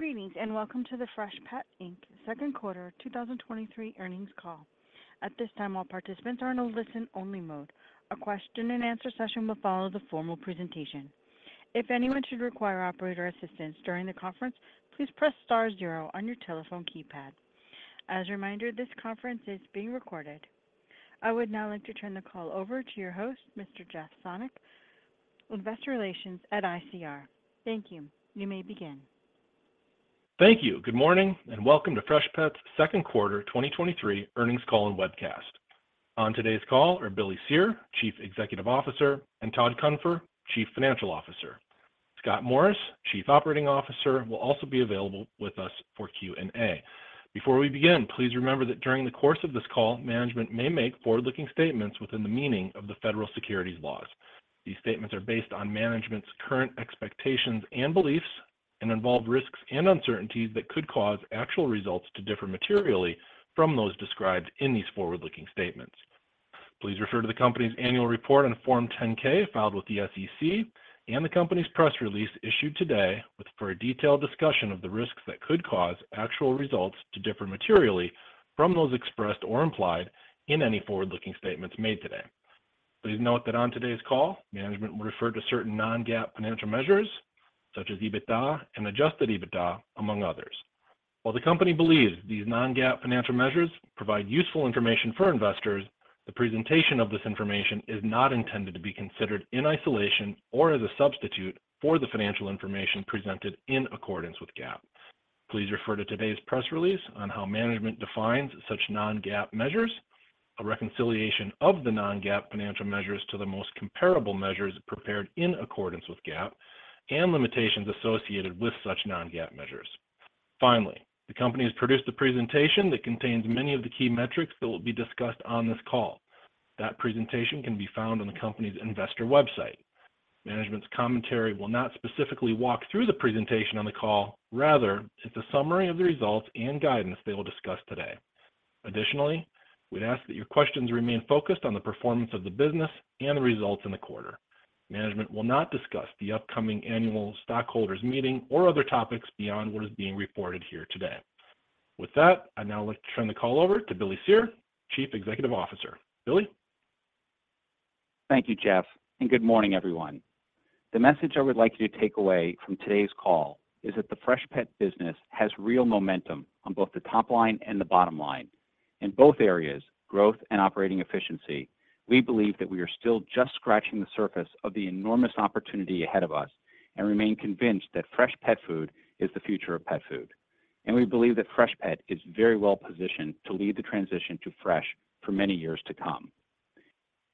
Greetings, welcome to the Freshpet, Inc.'s second quarter 2023 earnings call. At this time, all participants are in a listen-only mode. A question and answer session will follow the formal presentation. If anyone should require operator assistance during the conference, please press star zero on your telephone keypad. As a reminder, this conference is being recorded. I would now like to turn the call over to your host, Mr. Jeff Sonnek, Investor Relations at ICR. Thank you. You may begin. Thank you. Good morning, and welcome to Freshpet's second quarter 2023 earnings call and webcast. On today's call are Billy Cyr, Chief Executive Officer, and Todd Cunfer, Chief Financial Officer. Scott Morris, Chief Operating Officer, will also be available with us for Q&A. Before we begin, please remember that during the course of this call, management may make forward-looking statements within the meaning of the federal securities laws. These statements are based on management's current expectations and beliefs and involve risks and uncertainties that could cause actual results to differ materially from those described in these forward-looking statements. Please refer to the company's annual report on Form 10-K filed with the SEC and the company's press release issued today with for a detailed discussion of the risks that could cause actual results to differ materially from those expressed or implied in any forward-looking statements made today. Please note that on today's call, management will refer to certain non-GAAP financial measures such as EBITDA and adjusted EBITDA, among others. While the company believes these non-GAAP financial measures provide useful information for investors, the presentation of this information is not intended to be considered in isolation or as a substitute for the financial information presented in accordance with GAAP. Please refer to today's press release on how management defines such non-GAAP measures, a reconciliation of the non-GAAP financial measures to the most comparable measures prepared in accordance with GAAP, and limitations associated with such non-GAAP measures. Finally, the company has produced a presentation that contains many of the key metrics that will be discussed on this call. That presentation can be found on the company's investor website. Management's commentary will not specifically walk through the presentation on the call; rather, it's a summary of the results and guidance they will discuss today. Additionally, we'd ask that your questions remain focused on the performance of the business and the results in the quarter. Management will not discuss the upcoming annual stockholders' meeting or other topics beyond what is being reported here today. With that, I'd now like to turn the call over to Billy Cyr, Chief Executive Officer. Billy? Thank you, Jeff. Good morning, everyone. The message I would like you to take away from today's call is that the Freshpet business has real momentum on both the top line and the bottom line. In both areas, growth and operating efficiency, we believe that we are still just scratching the surface of the enormous opportunity ahead of us and remain convinced that fresh pet food is the future of pet food. We believe that Freshpet is very well positioned to lead the transition to fresh for many years to come.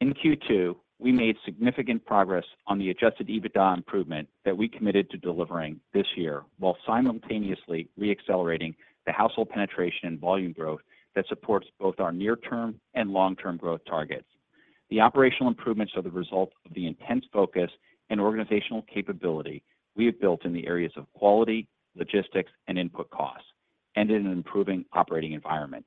In Q2, we made significant progress on the adjusted EBITDA improvement that we committed to delivering this year, while simultaneously re-accelerating the household penetration and volume growth that supports both our near-term and long-term growth targets. The operational improvements are the result of the intense focus and organizational capability we have built in the areas of quality, logistics, and input costs, and in an improving operating environment.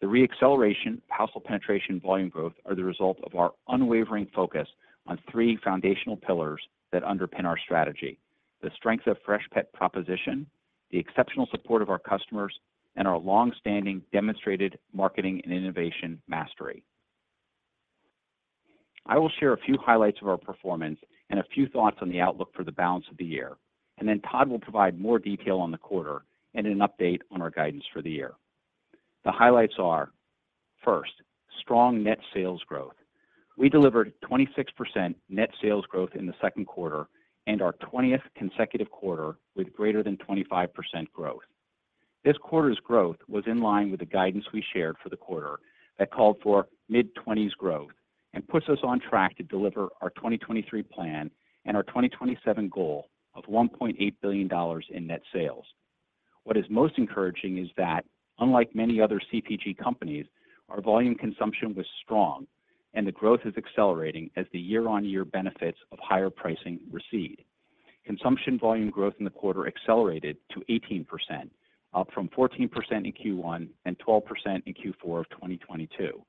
The re-acceleration, household penetration, and volume growth are the result of our unwavering focus on three foundational pillars that underpin our strategy: the strength of Freshpet proposition, the exceptional support of our customers, and our long-standing demonstrated marketing and innovation mastery. I will share a few highlights of our performance and a few thoughts on the outlook for the balance of the year. Then Todd will provide more detail on the quarter and an update on our guidance for the year. The highlights are, first, strong net sales growth. We delivered 26% net sales growth in the second quarter and our 20th consecutive quarter with greater than 25% growth. This quarter's growth was in line with the guidance we shared for the quarter that called for mid-twenties growth and puts us on track to deliver our 2023 plan and our 2027 goal of $1.8 billion in net sales. What is most encouraging is that, unlike many other CPG companies, our volume consumption was strong and the growth is accelerating as the year-on-year benefits of higher pricing recede. Consumption volume growth in the quarter accelerated to 18%, up from 14% in Q1 and 12% in Q4 of 2022.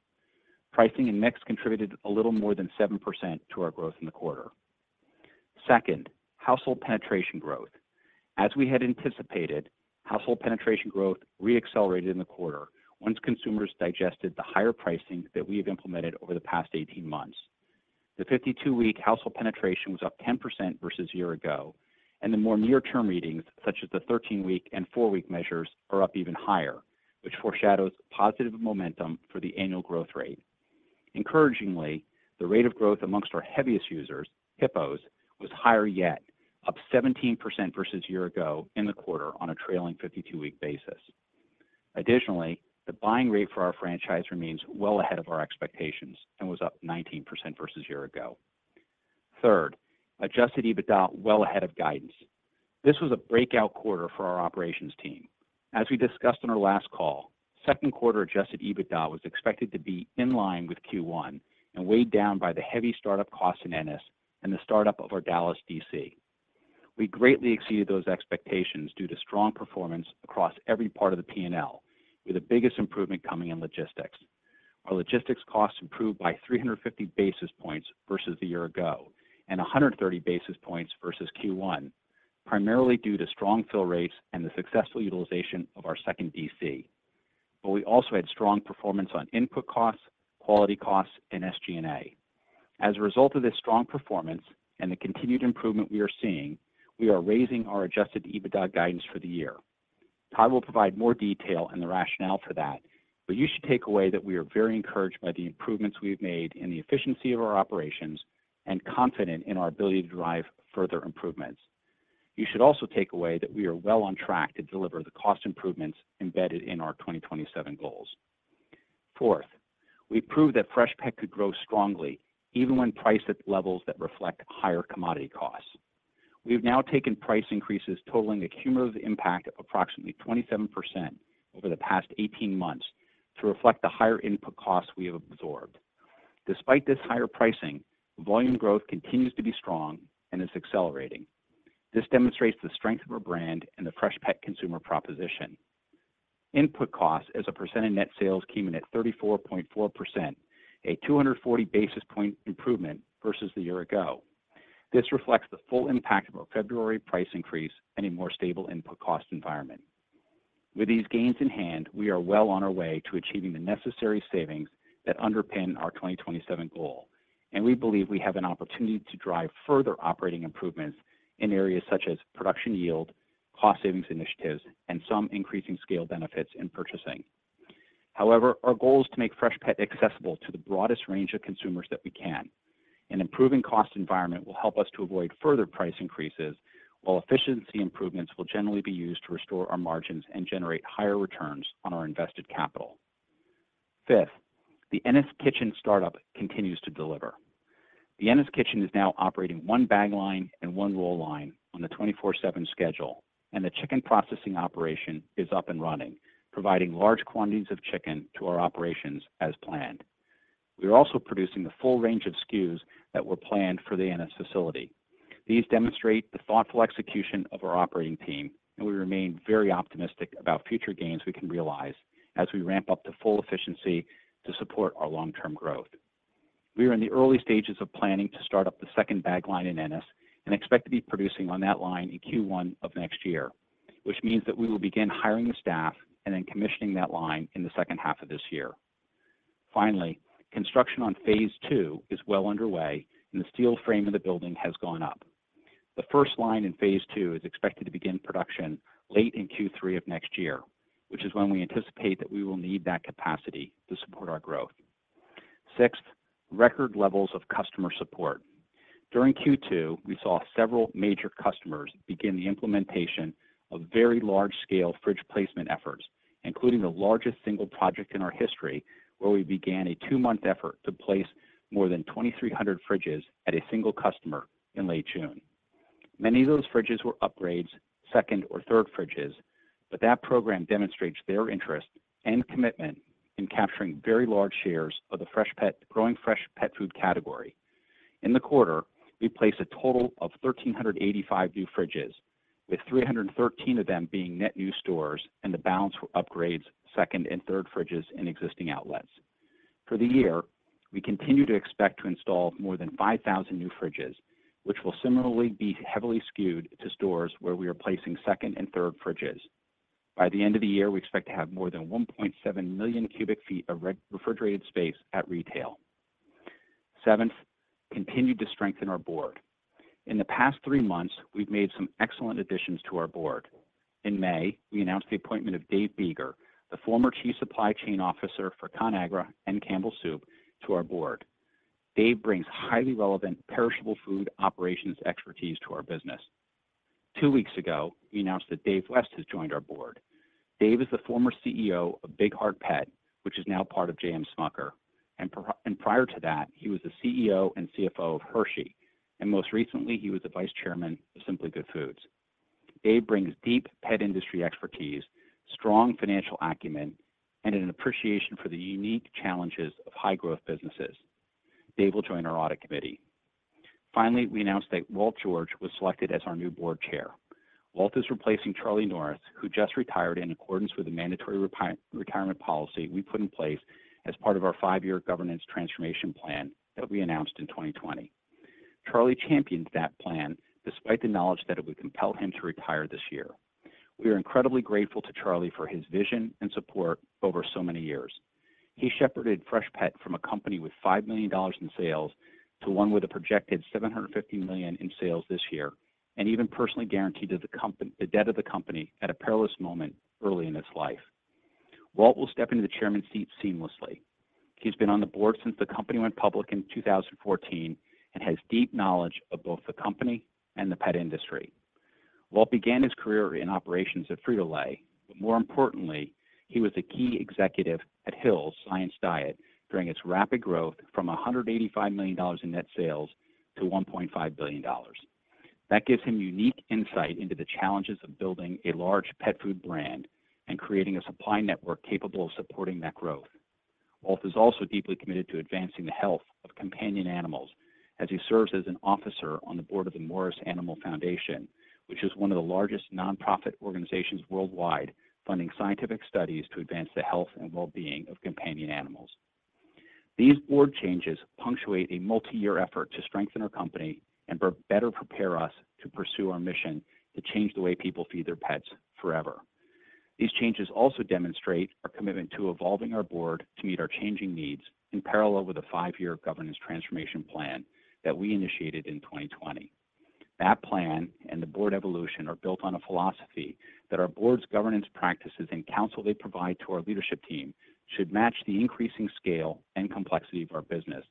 Pricing and mix contributed a little more than 7% to our growth in the quarter. Second, household penetration growth. As we had anticipated, household penetration growth re-accelerated in the quarter once consumers digested the higher pricing that we have implemented over the past 18 months. The 52-week household penetration was up 10% versus year ago, and the more near-term readings, such as the 13-week and 4-week measures, are up even higher, which foreshadows positive momentum for the annual growth rate. Encouragingly, the rate of growth amongst our heaviest users, HIPPOs, was higher, yet up 17% versus year ago in the quarter on a trailing 52-week basis. Additionally, the buying rate for our franchise remains well ahead of our expectations and was up 19% versus year ago. Third, adjusted EBITDA well ahead of guidance. This was a breakout quarter for our operations team. As we discussed on our last call, second quarter adjusted EBITDA was expected to be in line with Q1 and weighed down by the heavy start-up costs in Ennis and the start-up of our Dallas DC. We greatly exceeded those expectations due to strong performance across every part of the P&L, with the biggest improvement coming in logistics. Our logistics costs improved by 350 basis points versus the year ago, and 130 basis points versus Q1, primarily due to strong fill rates and the successful utilization of our second DC. We also had strong performance on input costs, quality costs, and SG&A. As a result of this strong performance and the continued improvement we are seeing, we are raising our adjusted EBITDA guidance for the year. Todd will provide more detail and the rationale for that, but you should take away that we are very encouraged by the improvements we've made in the efficiency of our operations and confident in our ability to drive further improvements. You should also take away that we are well on track to deliver the cost improvements embedded in our 2027 goals. Fourth, we proved that Freshpet could grow strongly even when priced at levels that reflect higher commodity costs. We've now taken price increases totaling a cumulative impact of approximately 27% over the past 18 months to reflect the higher input costs we have absorbed. Despite this higher pricing, volume growth continues to be strong and is accelerating. This demonstrates the strength of our brand and the Freshpet consumer proposition. Input costs as a percent of net sales came in at 34.4%, a 240 basis point improvement versus the year ago. This reflects the full impact of our February price increase and a more stable input cost environment. With these gains in hand, we are well on our way to achieving the necessary savings that underpin our 2027 goal. We believe we have an opportunity to drive further operating improvements in areas such as production yield, cost savings initiatives, and some increasing scale benefits in purchasing. However, our goal is to make Freshpet accessible to the broadest range of consumers that we can. An improving cost environment will help us to avoid further price increases, while efficiency improvements will generally be used to restore our margins and generate higher returns on our invested capital. Fifth, the Ennis Kitchen startup continues to deliver. The Ennis Kitchen is now operating 1 bag line and 1 roll line on the 24/7 schedule. The chicken processing operation is up and running, providing large quantities of chicken to our operations as planned. We are also producing the full range of SKUs that were planned for the Ennis facility. These demonstrate the thoughtful execution of our operating team, and we remain very optimistic about future gains we can realize as we ramp up to full efficiency to support our long-term growth. We are in the early stages of planning to start up the second bag line in Ennis and expect to be producing on that line in Q1 of next year, which means that we will begin hiring the staff and then commissioning that line in the second half of this year. Finally, construction on phase two is well underway and the steel frame of the building has gone up. The first line in phase two is expected to begin production late in Q3 of next year, which is when we anticipate that we will need that capacity to support our growth. Sixth, record levels of customer support. During Q2, we saw several major customers begin the implementation of very large-scale fridge placement efforts, including the largest single project in our history, where we began a two-month effort to place more than 2,300 fridges at a single customer in late June. Many of those fridges were upgrades, second or third fridges, but that program demonstrates their interest and commitment in capturing very large shares of the growing Freshpet food category. In the quarter, we placed a total of 1,385 new fridges, with 313 of them being net new stores and the balance were upgrades, second and third fridges in existing outlets. For the year, we continue to expect to install more than 5,000 new fridges, which will similarly be heavily skewed to stores where we are placing second and third fridges. By the end of the year, we expect to have more than 1.7 million cubic feet of refrigerated space at retail. Seventh, continued to strengthen our board. In the past three months, we've made some excellent additions to our board. In May, we announced the appointment of Dave Biegger, the former Chief Supply Chain Officer for Conagra and Campbell Soup, to our board. Dave brings highly relevant perishable food operations expertise to our business. Two weeks ago, we announced that Dave West has joined our board. Dave is the former CEO of Big Heart Pet, which is now part of JM Smucker, and prior to that, he was the CEO and CFO of Hershey, and most recently, he was the vice chairman of Simply Good Foods. Dave brings deep pet industry expertise, strong financial acumen, and an appreciation for the unique challenges of high-growth businesses. Dave West will join our audit committee. We announced that Walt George was selected as our new Board Chair. Walt is replacing Charlie Norris, who just retired in accordance with the mandatory retirement policy we put in place as part of our five-year governance transformation plan that we announced in 2020. Charlie championed that plan despite the knowledge that it would compel him to retire this year. We are incredibly grateful to Charlie for his vision and support over so many years. He shepherded Freshpet from a company with $5 million in sales to one with a projected $750 million in sales this year, and even personally guaranteed the debt of the company at a perilous moment early in its life. Walt will step into the chairman seat seamlessly. He's been on the board since the company went public in 2014 and has deep knowledge of both the company and the pet industry. Walt began his career in operations at Frito-Lay. More importantly, he was a key executive at Hill's Science Diet during its rapid growth from $185 million in net sales to $1.5 billion. That gives him unique insight into the challenges of building a large pet food brand and creating a supply network capable of supporting that growth. Walt is also deeply committed to advancing the health of companion animals. As he serves as an officer on the board of the Morris Animal Foundation, which is one of the largest nonprofit organizations worldwide, funding scientific studies to advance the health and well-being of companion animals. These board changes punctuate a multi-year effort to strengthen our company and better prepare us to pursue our mission to change the way people feed their pets forever. These changes also demonstrate our commitment to evolving our board to meet our changing needs, in parallel with the five-year governance transformation plan that we initiated in 2020. That plan and the board evolution are built on a philosophy that our board's governance practices and counsel they provide to our leadership team should match the increasing scale and complexity of our business,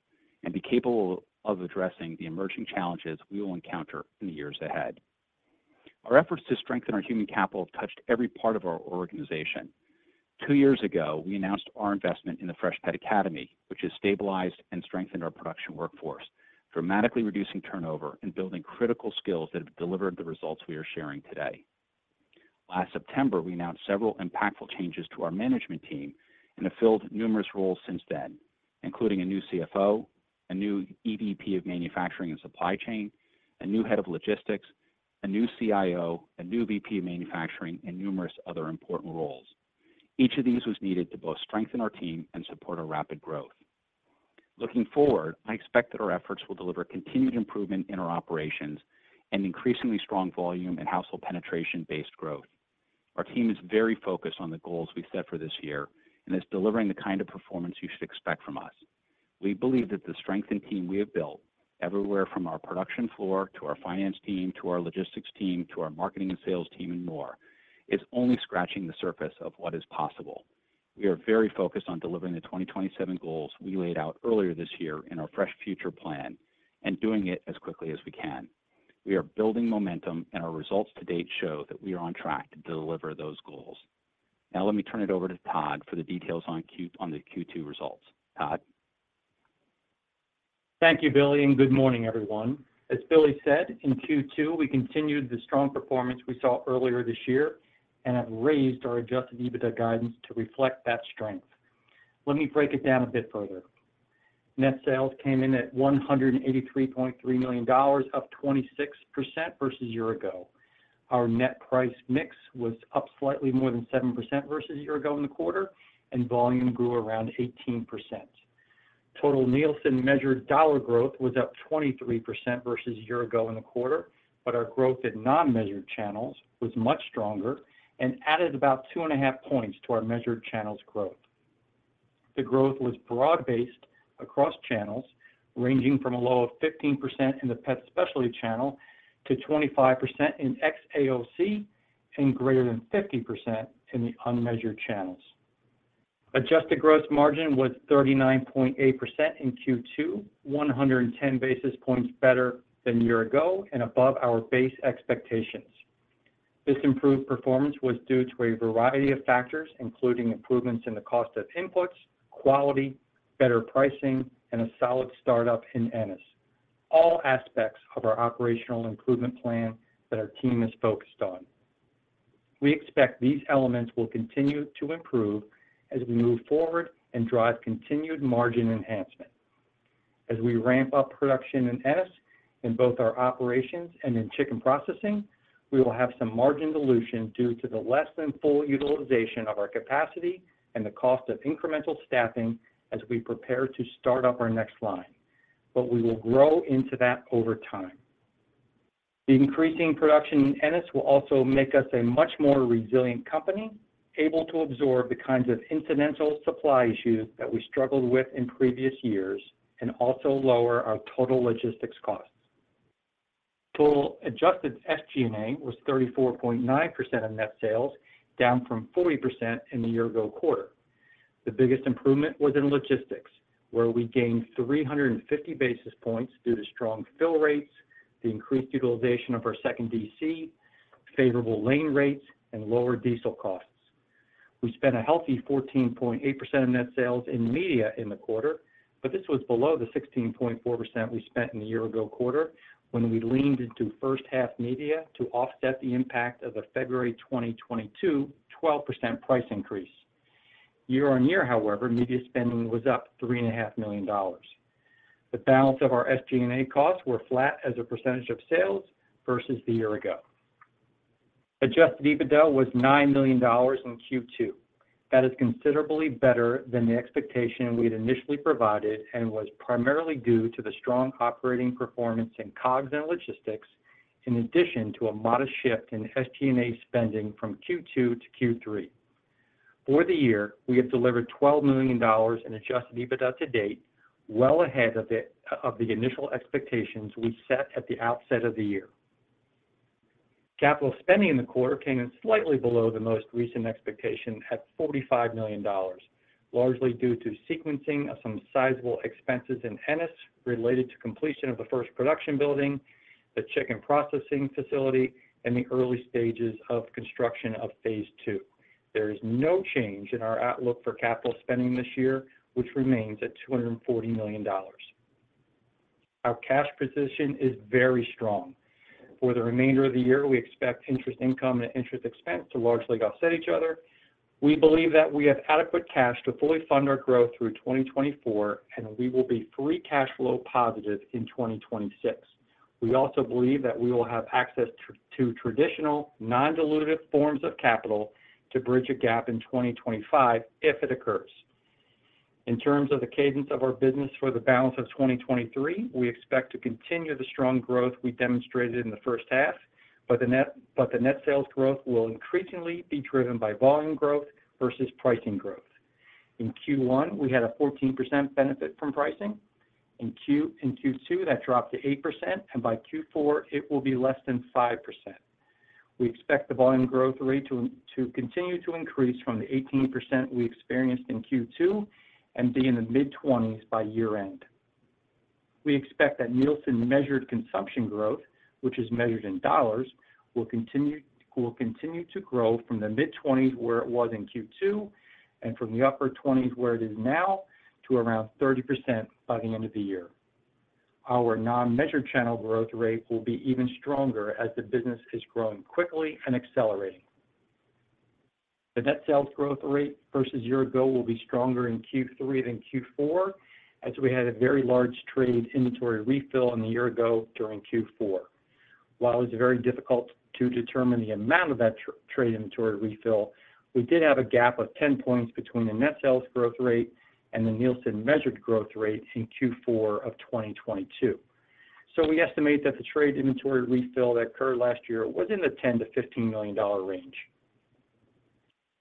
and be capable of addressing the emerging challenges we will encounter in the years ahead. Our efforts to strengthen our human capital have touched every part of our organization. Two years ago, we announced our investment in the Freshpet Academy, which has stabilized and strengthened our production workforce, dramatically reducing turnover and building critical skills that have delivered the results we are sharing today. Last September, we announced several impactful changes to our management team and have filled numerous roles since then, including a new CFO, a new EVP of Manufacturing and Supply Chain, a new Head of Logistics, a new CIO, a new VP of Manufacturing, and numerous other important roles. Each of these was needed to both strengthen our team and support our rapid growth. Looking forward, I expect that our efforts will deliver continued improvement in our operations and increasingly strong volume and household penetration-based growth. Our team is very focused on the goals we set for this year and is delivering the kind of performance you should expect from us. We believe that the strengthened team we have built, everywhere from our production floor, to our finance team, to our logistics team, to our marketing and sales team, and more, is only scratching the surface of what is possible. We are very focused on delivering the 2027 goals we laid out earlier this year in our Fresh Future plan and doing it as quickly as we can. We are building momentum, and our results to date show that we are on track to deliver those goals. Now, let me turn it over to Todd for the details on the Q2 results. Todd? Thank you, Billy. Good morning, everyone. As Billy said, in Q2, we continued the strong performance we saw earlier this year and have raised our adjusted EBITDA guidance to reflect that strength. Let me break it down a bit further. Net sales came in at $183.3 million, up 26% versus a year ago. Our net price mix was up slightly more than 7% versus a year ago in the quarter, and volume grew around 18%. Total Nielsen measured dollar growth was up 23% versus a year ago in the quarter, but our growth at non-measured channels was much stronger and added about 2.5 points to our measured channels growth. The growth was broad-based across channels, ranging from a low of 15% in the pet specialty channel to 25% in xAOC, and greater than 50% in the unmeasured channels. Adjusted gross margin was 39.8% in Q2, 110 basis points better than a year ago and above our base expectations. This improved performance was due to a variety of factors, including improvements in the cost of inputs, quality, better pricing, and a solid start-up in Ennis. All aspects of our operational improvement plan that our team is focused on. We expect these elements will continue to improve as we move forward and drive continued margin enhancement. As we ramp up production in Ennis, in both our operations and in chicken processing, we will have some margin dilution due to the less than full utilization of our capacity and the cost of incremental staffing as we prepare to start up our next line. We will grow into that over time. The increasing production in Ennis will also make us a much more resilient company, able to absorb the kinds of incidental supply issues that we struggled with in previous years and also lower our total logistics costs. Total adjusted SG&A was 34.9% of net sales, down from 40% in the year ago quarter. The biggest improvement was in logistics, where we gained 350 basis points due to strong fill rates, the increased utilization of our second DC, favorable lane rates, and lower diesel costs. We spent a healthy 14.8% of net sales in media in the quarter. This was below the 16.4% we spent in the year-ago quarter when we leaned into first half media to offset the impact of the February 2022, 12% price increase. Year-on-year, however, media spending was up $3.5 million. The balance of our SG&A costs were flat as a percentage of sales versus the year-ago. Adjusted EBITDA was $9 million in Q2. That is considerably better than the expectation we had initially provided and was primarily due to the strong operating performance in COGS and logistics, in addition to a modest shift in SG&A spending from Q2-Q3. For the year, we have delivered $12 million in adjusted EBITDA to date, well ahead of the initial expectations we set at the outset of the year. Capital spending in the quarter came in slightly below the most recent expectation at $45 million, largely due to sequencing of some sizable expenses in Ennis related to completion of the first production building, the chicken processing facility, and the early stages of construction of Phase Two. There is no change in our outlook for capital spending this year, which remains at $240 million. Our cash position is very strong. For the remainder of the year, we expect interest income and interest expense to largely offset each other. We believe that we have adequate cash to fully fund our growth through 2024, and we will be free cash flow positive in 2026. We also believe that we will have access to traditional, non-dilutive forms of capital to bridge a gap in 2025, if it occurs. In terms of the cadence of our business for the balance of 2023, we expect to continue the strong growth we demonstrated in the first half, the net sales growth will increasingly be driven by volume growth versus pricing growth. In Q1, we had a 14% benefit from pricing. In Q2, that dropped to 8%, and by Q4, it will be less than 5%. We expect the volume growth rate to continue to increase from the 18% we experienced in Q2 and be in the mid-20s by year-end. We expect that Nielsen-measured consumption growth, which is measured in dollars, will continue to grow from the mid-20s, where it was in Q2, and from the upper 20s, where it is now, to around 30% by the end of the year. Our non-measured channel growth rate will be even stronger as the business is growing quickly and accelerating. The net sales growth rate versus year ago will be stronger in Q3 than Q4, as we had a very large trade inventory refill in the year ago during Q4. While it's very difficult to determine the amount of that trade inventory refill, we did have a gap of 10 points between the net sales growth rate and the Nielsen measured growth rate in Q4 of 2022. We estimate that the trade inventory refill that occurred last year was in the $10 million-$15 million range.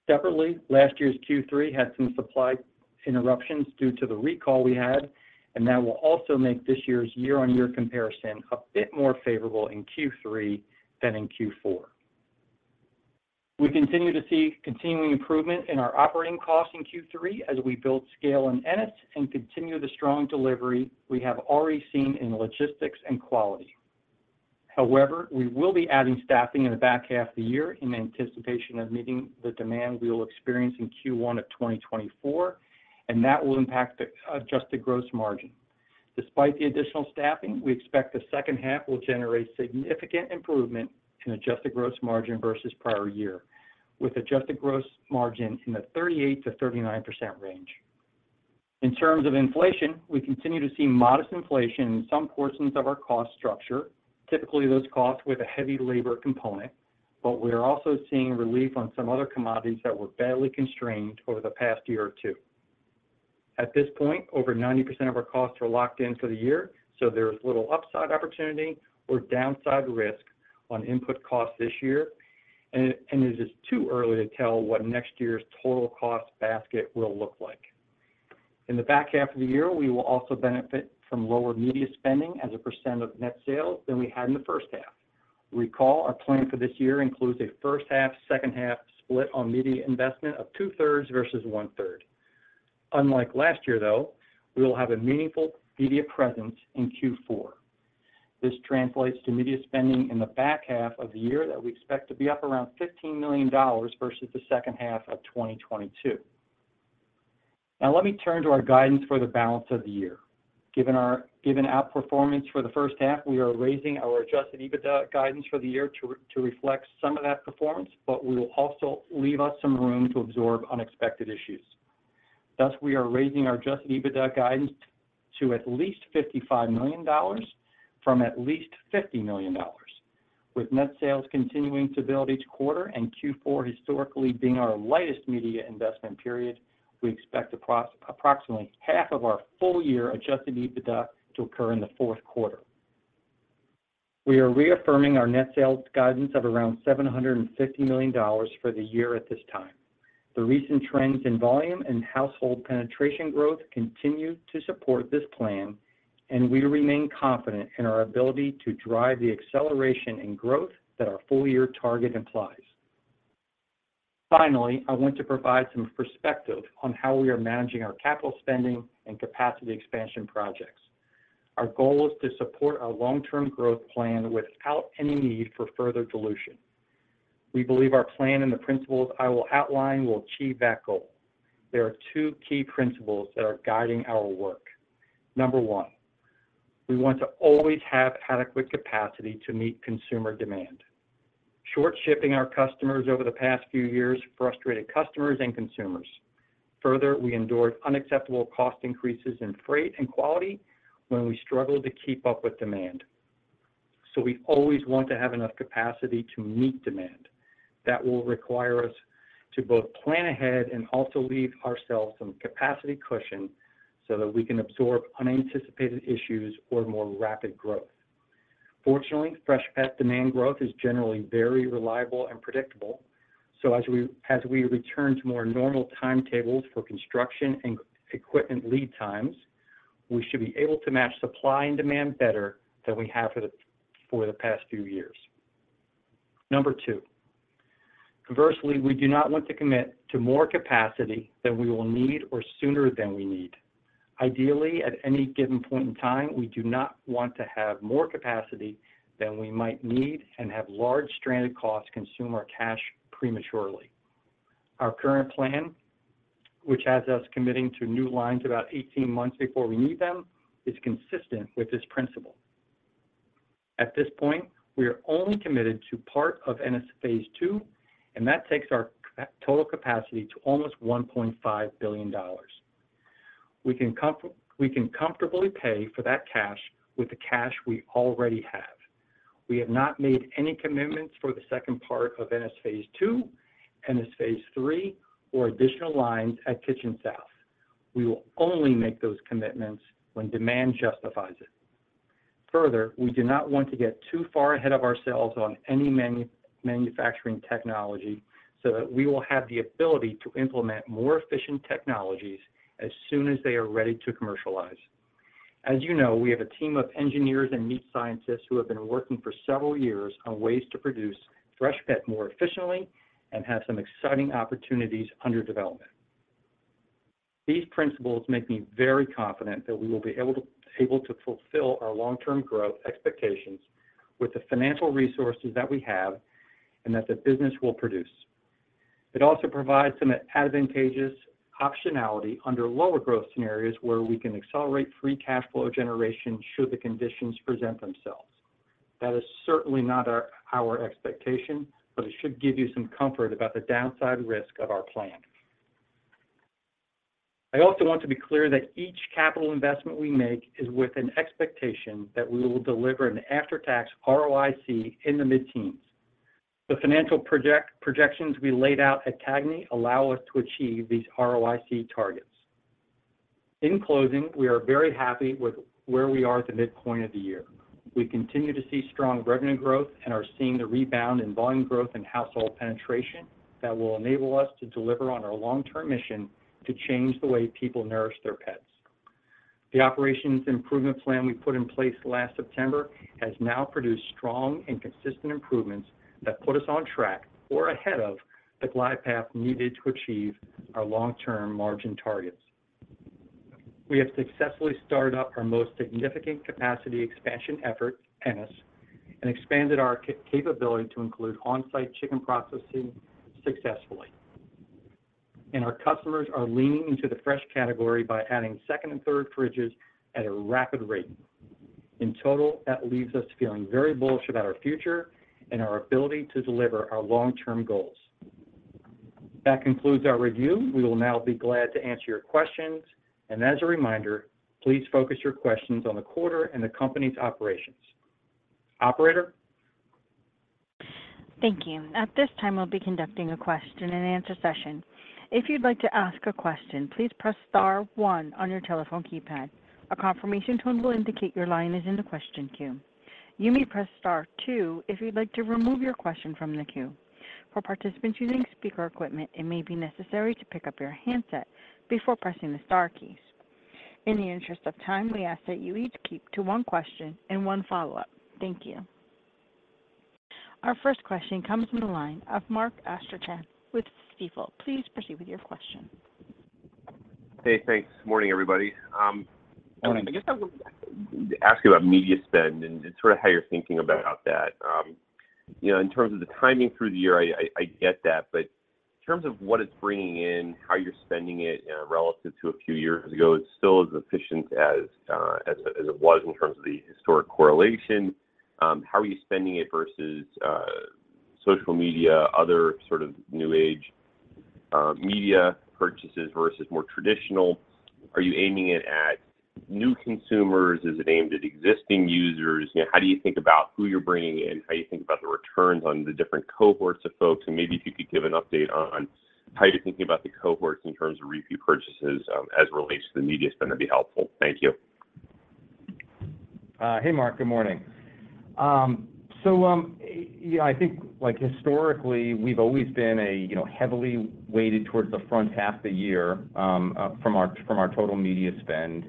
Separately, last year's Q3 had some supply interruptions due to the recall we had, and that will also make this year's year-on-year comparison a bit more favorable in Q3 than in Q4. We continue to see continuing improvement in our operating costs in Q3 as we build scale in Ennis and continue the strong delivery we have already seen in logistics and quality. However, we will be adding staffing in the back half of the year in anticipation of meeting the demand we will experience in Q1 of 2024, and that will impact the adjusted gross margin. Despite the additional staffing, we expect the second half will generate significant improvement in adjusted gross margin versus prior year, with adjusted gross margin in the 38%-39% range. In terms of inflation, we continue to see modest inflation in some portions of our cost structure, typically those costs with a heavy labor component, but we are also seeing relief on some other commodities that were badly constrained over the past year or two. At this point, over 90% of our costs are locked in for the year, so there is little upside opportunity or downside risk on input costs this year. It is too early to tell what next year's total cost basket will look like. In the back half of the year, we will also benefit from lower media spending as a % of net sales than we had in the first half. Recall, our plan for this year includes a first half, second half split on media investment of 2/3 versus 1/3. Unlike last year, though, we will have a meaningful media presence in Q4. This translates to media spending in the back half of the year that we expect to be up around $15 million versus the second half of 2022. Let me turn to our guidance for the balance of the year. Given given outperformance for the first half, we are raising our adjusted EBITDA guidance for the year to reflect some of that performance, but we will also leave us some room to absorb unexpected issues. Thus, we are raising our adjusted EBITDA guidance to at least $55 million from at least $50 million. With net sales continuing to build each quarter and Q4 historically being our lightest media investment period, we expect approximately half of our full-year adjusted EBITDA to occur in the fourth quarter. We are reaffirming our net sales guidance of around $750 million for the year at this time. The recent trends in volume and household penetration growth continue to support this plan, and we remain confident in our ability to drive the acceleration and growth that our full-year target implies. Finally, I want to provide some perspective on how we are managing our capital spending and capacity expansion projects. Our goal is to support our long-term growth plan without any need for further dilution. We believe our plan and the principles I will outline will achieve that goal. There are two key principles that are guiding our work. Number 1, we want to always have adequate capacity to meet consumer demand. Short-shipping our customers over the past few years frustrated customers and consumers. Further, we endured unacceptable cost increases in freight and quality when we struggled to keep up with demand. We always want to have enough capacity to meet demand. That will require us to both plan ahead and also leave ourselves some capacity cushion so that we can absorb unanticipated issues or more rapid growth. Fortunately, Freshpet demand growth is generally very reliable and predictable. As we return to more normal timetables for construction and equipment lead times, we should be able to match supply and demand better than we have for the past few years. Number two, conversely, we do not want to commit to more capacity than we will need or sooner than we need. Ideally, at any given point in time, we do not want to have more capacity than we might need and have large stranded costs consume our cash prematurely. Our current plan, which has us committing to new lines about 18 months before we need them, is consistent with this principle. At this point, we are only committed to part of Ennis Phase Two, and that takes our total capacity to almost $1.5 billion. We can comfortably pay for that cash with the cash we already have. We have not made any commitments for the second part of Ennis Phase Two and Ennis Phase Three or additional lines at Kitchen South. We will only make those commitments when demand justifies it. Further, we do not want to get too far ahead of ourselves on any manufacturing technology that we will have the ability to implement more efficient technologies as soon as they are ready to commercialize. As you know, we have a team of engineers and meat scientists who have been working for several years on ways to produce Freshpet more efficiently and have some exciting opportunities under development. These principles make me very confident that we will be able to fulfill our long-term growth expectations with the financial resources that we have and that the business will produce. It also provides some advantageous optionality under lower growth scenarios, where we can accelerate free cash flow generation, should the conditions present themselves. That is certainly not our expectation, it should give you some comfort about the downside risk of our plan. I also want to be clear that each capital investment we make is with an expectation that we will deliver an after-tax ROIC in the mid-teens. The financial projections we laid out at CAGNY allow us to achieve these ROIC targets. In closing, we are very happy with where we are at the midpoint of the year. We continue to see strong revenue growth and are seeing the rebound in volume growth and household penetration that will enable us to deliver on our long-term mission to change the way people nourish their pets. The operations improvement plan we put in place last September, has now produced strong and consistent improvements that put us on track or ahead of the glide path needed to achieve our long-term margin targets. We have successfully started up our most significant capacity expansion effort, Ennis, expanded our capability to include on-site chicken processing successfully. Our customers are leaning into the fresh category by adding second and third fridges at a rapid rate. In total, that leaves us feeling very bullish about our future and our ability to deliver our long-term goals. That concludes our review. We will now be glad to answer your questions, and as a reminder, please focus your questions on the quarter and the company's operations. Operator? Thank you. At this time, we'll be conducting a question and answer session. If you'd like to ask a question, please press star one on your telephone keypad. A confirmation tone will indicate your line is in the question queue. You may press star two, if you'd like to remove your question from the queue. For participants using speaker equipment, it may be necessary to pick up your handset before pressing the star keys. In the interest of time, we ask that you each keep to one question and one follow-up. Thank you. Our first question comes from the line of Mark Astrachan with Stifel. Please proceed with your question. Hey, thanks. Morning, everybody. Morning. I guess I would ask you about media spend and, and sort of how you're thinking about that. You know, in terms of the timing through the year, I, I, I get that, but in terms of what it's bringing in, how you're spending it, you know, relative to a few years ago, it's still as efficient as it was in terms of the historic correlation. How are you spending it versus social media, other sort of new age, media purchases versus more traditional? Are you aiming it at new consumers? Is it aimed at existing users? You know, how do you think about who you're bringing in? How do you think about the returns on the different cohorts of folks? Maybe if you could give an update on how you're thinking about the cohorts in terms of repeat purchases, as it relates to the media spend, that'd be helpful. Thank you. Hey, Mark. Good morning. So, I think, like, historically, we've always been a, you know, heavily weighted towards the front half of the year, from our, from our total media spend.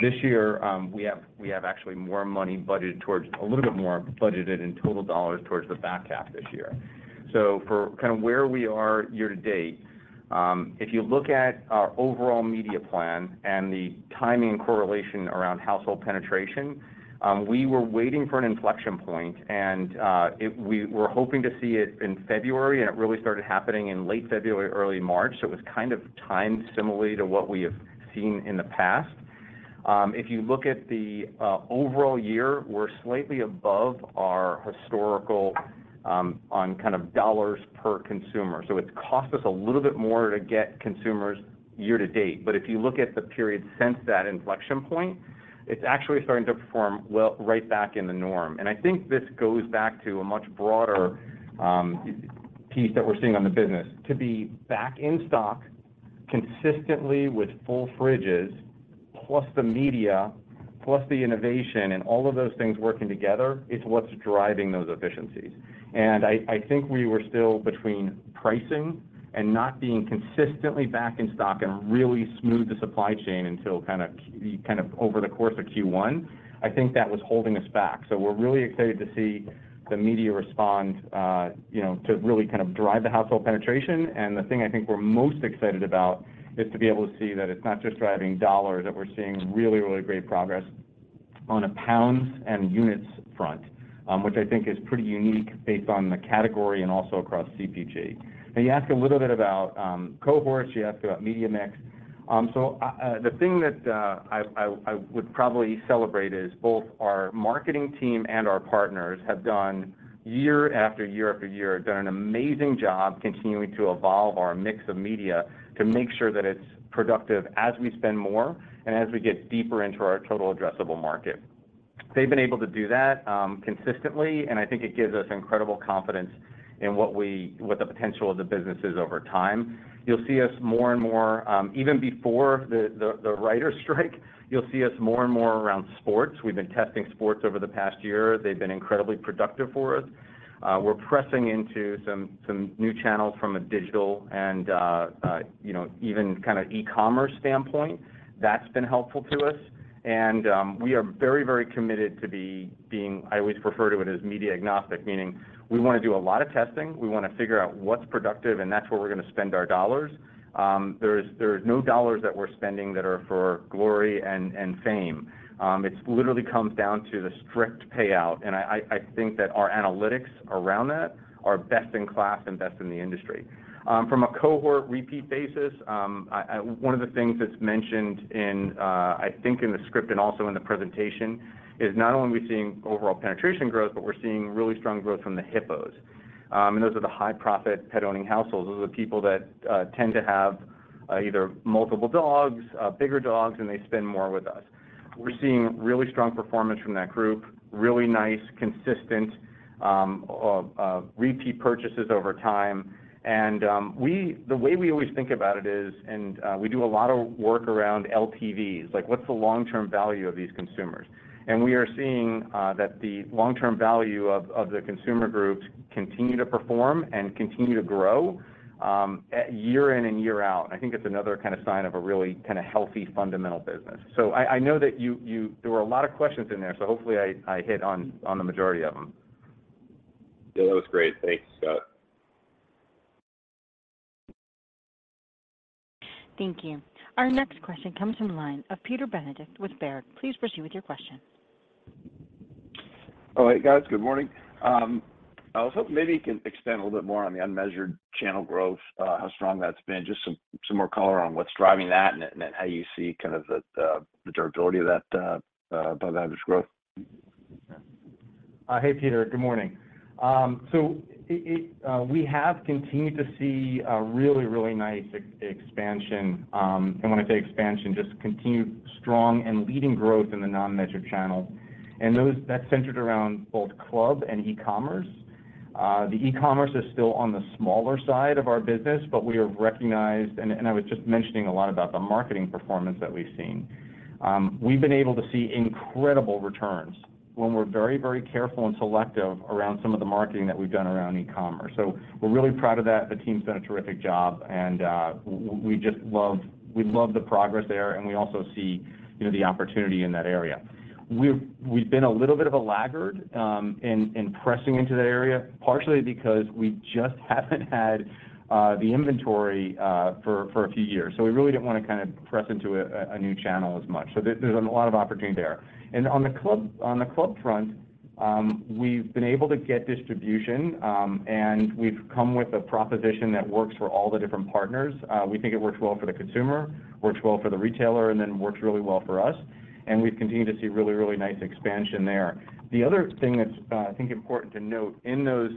This year, we have, we have actually more money budgeted towards... a little bit more budgeted in total dollars towards the back half this year. For kind of where we are year to date, if you look at our overall media plan and the timing and correlation around household penetration, we were waiting for an inflection point, and we were hoping to see it in February, and it really started happening in late February, early March. It was kind of timed similarly to what we have seen in the past. If you look at the overall year, we're slightly above our historical on dollars per consumer. It's cost us a little bit more to get consumers year to date. If you look at the period since that inflection point, it's actually starting to perform well right back in the norm. I think this goes back to a much broader piece that we're seeing on the business. To be back in stock, consistently with full fridges, plus the media, plus the innovation and all of those things working together, is what's driving those efficiencies. I, I think we were still between pricing and not being consistently back in stock and really smooth the supply chain until over the course of Q1. I think that was holding us back. We're really excited to see the media respond, you know, to really kind of drive the household penetration. The thing I think we're most excited about, is to be able to see that it's not just driving dollars, that we're seeing really, really great progress.... on a pounds and units front, which I think is pretty unique based on the category and also across CPG. You asked a little bit about cohorts, you asked about media mix. The thing that I would probably celebrate is both our marketing team and our partners have done, year after year after year, done an amazing job continuing to evolve our mix of media to make sure that it's productive as we spend more and as we get deeper into our total addressable market. They've been able to do that consistently, and I think it gives us incredible confidence in what we- what the potential of the business is over time. You'll see us more and more, even before the writers' strike, you'll see us more and more around sports. We've been testing sports over the past year. They've been incredibly productive for us. We're pressing into some, some new channels from a digital and, you know, even kind of e-commerce standpoint. That's been helpful to us. We are very, very committed to being... I always refer to it as media agnostic, meaning we wanna do a lot of testing, we wanna figure out what's productive, and that's where we're gonna spend our dollars. There's, there's no dollars that we're spending that are for glory and, and fame. It's literally comes down to the strict payout, and I, I, I think that our analytics around that are best-in-class and best in the industry. From a cohort repeat basis, one of the things that's mentioned in, I think in the script and also in the presentation, is not only are we seeing overall penetration growth, but we're seeing really strong growth from the HIPPOs. Those are the high-profit, pet-owning households. Those are the people that tend to have either multiple dogs, bigger dogs, and they spend more with us. We're seeing really strong performance from that group, really nice, consistent, repeat purchases over time. The way we always think about it is, we do a lot of work around LTVs, like, what's the long-term value of these consumers? We are seeing that the long-term value of, of the consumer groups continue to perform and continue to grow at year in and year out. I think it's another kind of sign of a really kind of healthy, fundamental business. I, I know that you, you there were a lot of questions in there, so hopefully I, I hit on, on the majority of them. Yeah, that was great. Thanks, Scott. Thank you. Our next question comes from the line of Peter Benedict with Baird. Please proceed with your question. All right, guys. Good morning. I was hoping maybe you can expand a little bit more on the unmeasured channel growth, how strong that's been, just some, some more color on what's driving that and, and how you see kind of the, the, the durability of that above-average growth. Hey, Peter. Good morning. It, it, we have continued to see a really, really nice expansion. When I say expansion, just continued strong and leading growth in the non-measured channel. That's centered around both club and e-commerce. The e-commerce is still on the smaller side of our business, but we have recognized, and I was just mentioning a lot about the marketing performance that we've seen. We've been able to see incredible returns when we're very, very careful and selective around some of the marketing that we've done around e-commerce, so we're really proud of that. The team's done a terrific job, and, we just love, we love the progress there, and we also see, you know, the opportunity in that area. We've- we've been a little bit of a laggard, in, in pressing into that area, partially because we just haven't had the inventory, for, for a few years. We really didn't wanna kinda press into a, a, a new channel as much. There, there's a lot of opportunity there. On the club, on the club front, we've been able to get distribution, and we've come with a proposition that works for all the different partners. We think it works well for the consumer, works well for the retailer, and then works really well for us, and we've continued to see really, really nice expansion there. The other thing that's, I think important to note in those,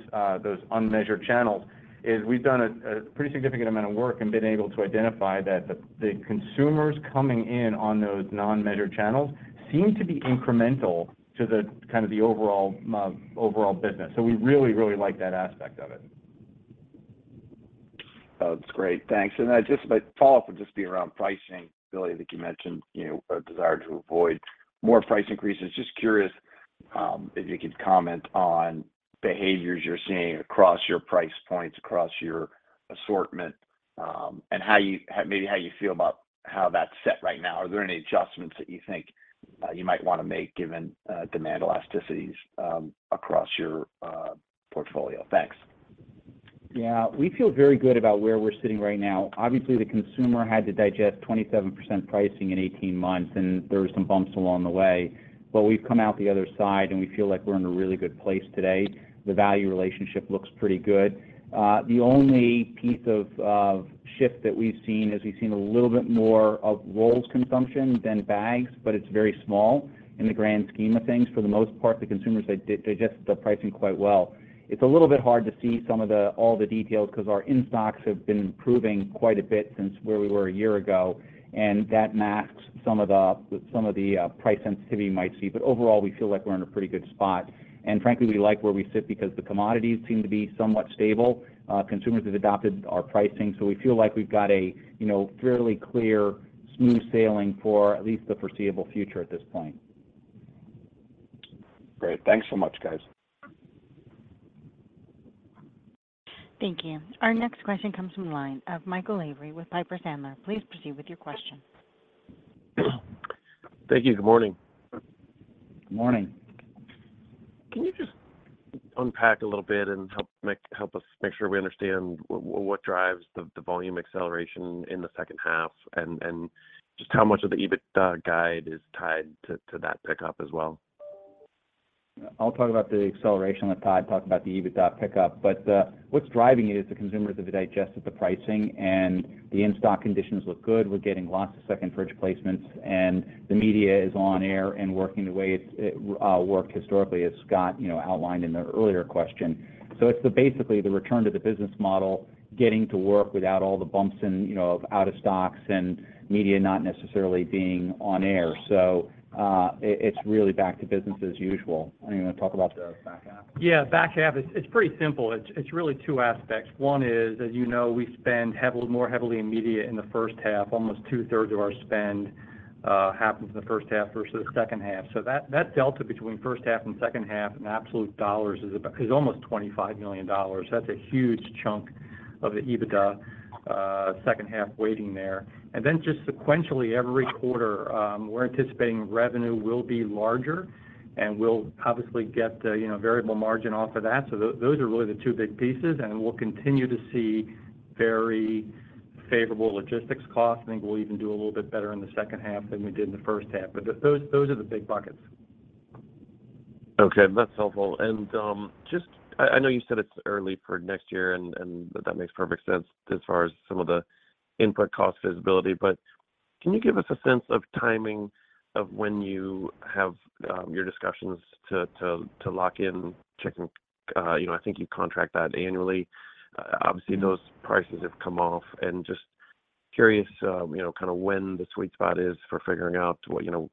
those unmeasured channels is we've done a, a pretty significant amount of work and been able to identify that the, the consumers coming in on those non-measured channels seem to be incremental to the, kind of the overall, overall business. We really, really like that aspect of it. That's great. Thanks. My follow-up would be around pricing ability that you mentioned, you know, a desire to avoid more price increases. Just curious, if you could comment on behaviors you're seeing across your price points, across your assortment, and how you, maybe how you feel about how that's set right now. Are there any adjustments that you think you might wanna make, given demand elasticities, across your portfolio? Thanks. Yeah. We feel very good about where we're sitting right now. Obviously, the consumer had to digest 27% pricing in 18 months, there were some bumps along the way, we've come out the other side, we feel like we're in a really good place today. The value relationship looks pretty good. The only piece of, of shift that we've seen is we've seen a little bit more of rolls consumption than bags, it's very small in the grand scheme of things. For the most part, the consumers, they digested the pricing quite well. It's a little bit hard to see some of the, all the details, because our in-stocks have been improving quite a bit since where we were a year ago, that masks some of the, some of the price sensitivity you might see. Overall, we feel like we're in a pretty good spot, and frankly, we like where we sit because the commodities seem to be somewhat stable. Consumers have adopted our pricing, so we feel like we've got a, you know, fairly clear, smooth sailing for at least the foreseeable future at this point. Great. Thanks so much, guys. Thank you. Our next question comes from the line of Michael Lavery with Piper Sandler. Please proceed with your question. Thank you. Good morning. Good morning.... Can you just unpack a little bit and help make, help us make sure we understand what drives the volume acceleration in the second half, and just how much of the EBITDA guide is tied to that pickup as well? I'll talk about the acceleration, let Todd talk about the EBITDA pickup. What's driving it is the consumers have digested the pricing, and the in-stock conditions look good. We're getting lots of second fridge placements, and the media is on air and working the way it's, it, worked historically, as Scott, you know, outlined in the earlier question. It's the, basically, the return to the business model, getting to work without all the bumps in, you know, of out of stocks and media not necessarily being on air. It's really back to business as usual. You wanna talk about the back half? Yeah, back half, it's, it's pretty simple. It's, it's really two aspects. One is, as you know, we spend heavily, more heavily in media in the first half. Almost two-thirds of our spend happens in the first half versus the second half. That, that delta between first half and second half in absolute dollars is almost $25 million. That's a huge chunk of the EBITDA second half waiting there. Just sequentially, every quarter, we're anticipating revenue will be larger, and we'll obviously get, you know, variable margin off of that. Those are really the two big pieces, and we'll continue to see very favorable logistics costs. I think we'll even do a little bit better in the second half than we did in the first half. Those, those are the big buckets. Okay, that's helpful. I, I know you said it's early for next year, and that, that makes perfect sense as far as some of the input cost visibility. Can you give us a sense of timing of when you have your discussions to, to, to lock in chicken? You know, I think you contract that annually. Obviously, those prices have come off, and just curious, you know, kinda when the sweet spot is for figuring out what, you know,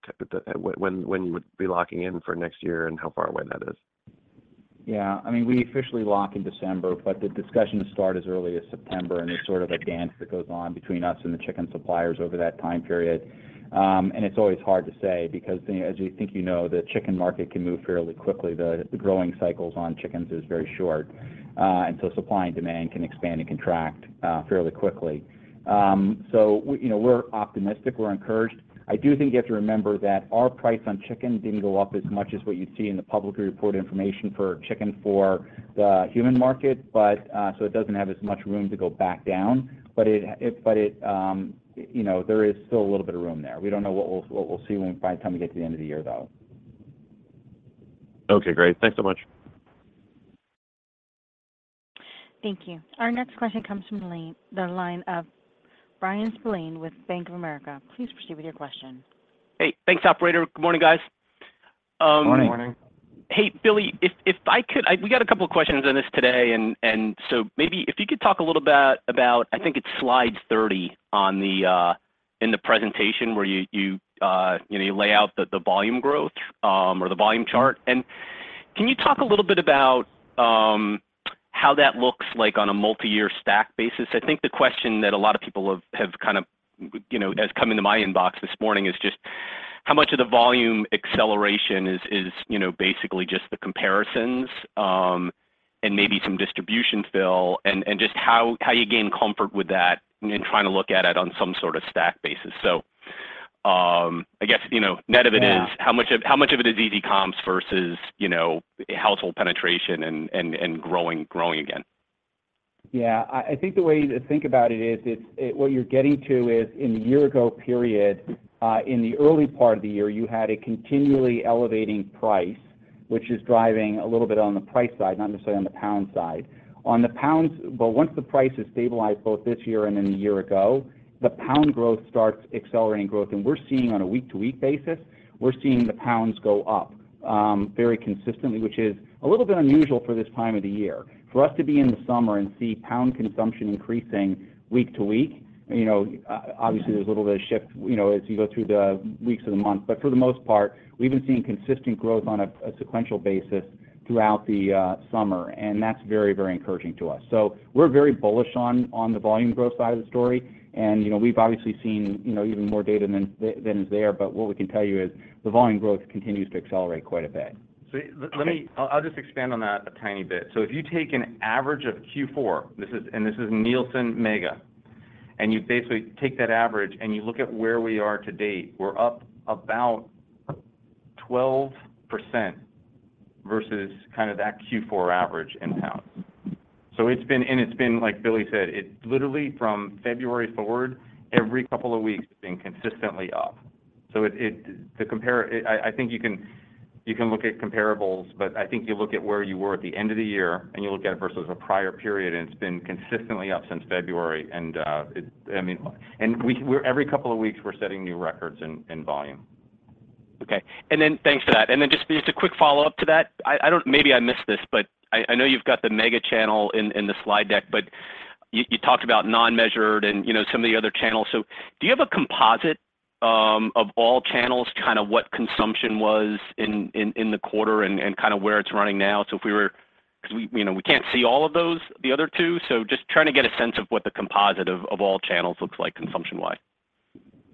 when, when you would be locking in for next year and how far away that is. Yeah. I mean, we officially lock in December. The discussions start as early as September, and it's sort of a dance that goes on between us and the chicken suppliers over that time period. It's always hard to say because the, as you think you know, the chicken market can move fairly quickly. The, the growing cycles on chickens is very short. Supply and demand can expand and contract fairly quickly. You know, we're optimistic, we're encouraged. I do think you have to remember that our price on chicken didn't go up as much as what you'd see in the publicly reported information for chicken for the human market. It doesn't have as much room to go back down. It, you know, there is still a little bit of room there. We don't know what we'll, what we'll see when, by the time we get to the end of the year, though. Okay, great. Thanks so much. Thank you. Our next question comes from the line of Bryan Spillane with Bank of America. Please proceed with your question. Hey, thanks, operator. Good morning, guys. Morning. Morning. Hey, Billy, if, if I could, we got a couple of questions on this today, and, and so maybe if you could talk a little about, about I think it's slide 30 on the in the presentation, where you, you, you know, you lay out the, the volume growth, or the volume chart. Can you talk a little bit about how that looks like on a multi-year stack basis? I think the question that a lot of people have, have kind of, you know, has come into my inbox this morning is just how much of the volume acceleration is, is, you know, basically just the comparisons, and maybe some distribution fill, and, and just how, how you gain comfort with that in trying to look at it on some sort of stack basis. I guess, you know, net of it is- Yeah... how much of it is easy comps versus, you know, household penetration and growing, growing again? Yeah. I, I think the way to think about it is, it's, what you're getting to is, in the year ago period, in the early part of the year, you had a continually elevating price, which is driving a little bit on the price side, not necessarily on the pound side. On the pounds. Once the price is stabilized, both this year and then a year ago, the pound growth starts accelerating growth. We're seeing, on a week-to-week basis, we're seeing the pounds go up, very consistently, which is a little bit unusual for this time of the year. For us to be in the summer and see pound consumption increasing week to week, you know, obviously, there's a little bit of shift, you know, as you go through the weeks of the month. For the most part, we've been seeing consistent growth on a sequential basis throughout the summer, and that's very, very encouraging to us. We're very bullish on the volume growth side of the story. You know, we've obviously seen, you know, even more data than is there, but what we can tell you is the volume growth continues to accelerate quite a bit. L- l- let me. I'll, I'll just expand on that a tiny bit. If you take an average of Q4, this is, and this is Nielsen MEGA, and you basically take that average, and you look at where we are to date, we're up about 12% versus kind of that Q4 average in pounds. It's been. Like Billy said, it literally from February forward, every couple of weeks, it's been consistently up. It, it, the compare. I, I think you can, you can look at comparables, but I think you look at where you were at the end of the year, and you look at it versus a prior period, and it's been consistently up since February. It, I mean, and we, we're. Every couple of weeks, we're setting new records in, in volume. Okay. Thanks for that. Just, just a quick follow-up to that. I, I don't Maybe I missed this, but I, I know you've got the Mega channel in, in the slide deck, but you, you talked about non-measured and, you know, some of the other channels. Do you have a composite of all channels, kind of what consumption was in, in, in the quarter and, and kind of where it's running now? If we were because we, you know, we can't see all of those, the other two, so just trying to get a sense of what the composite of all channels looks like consumption-wise.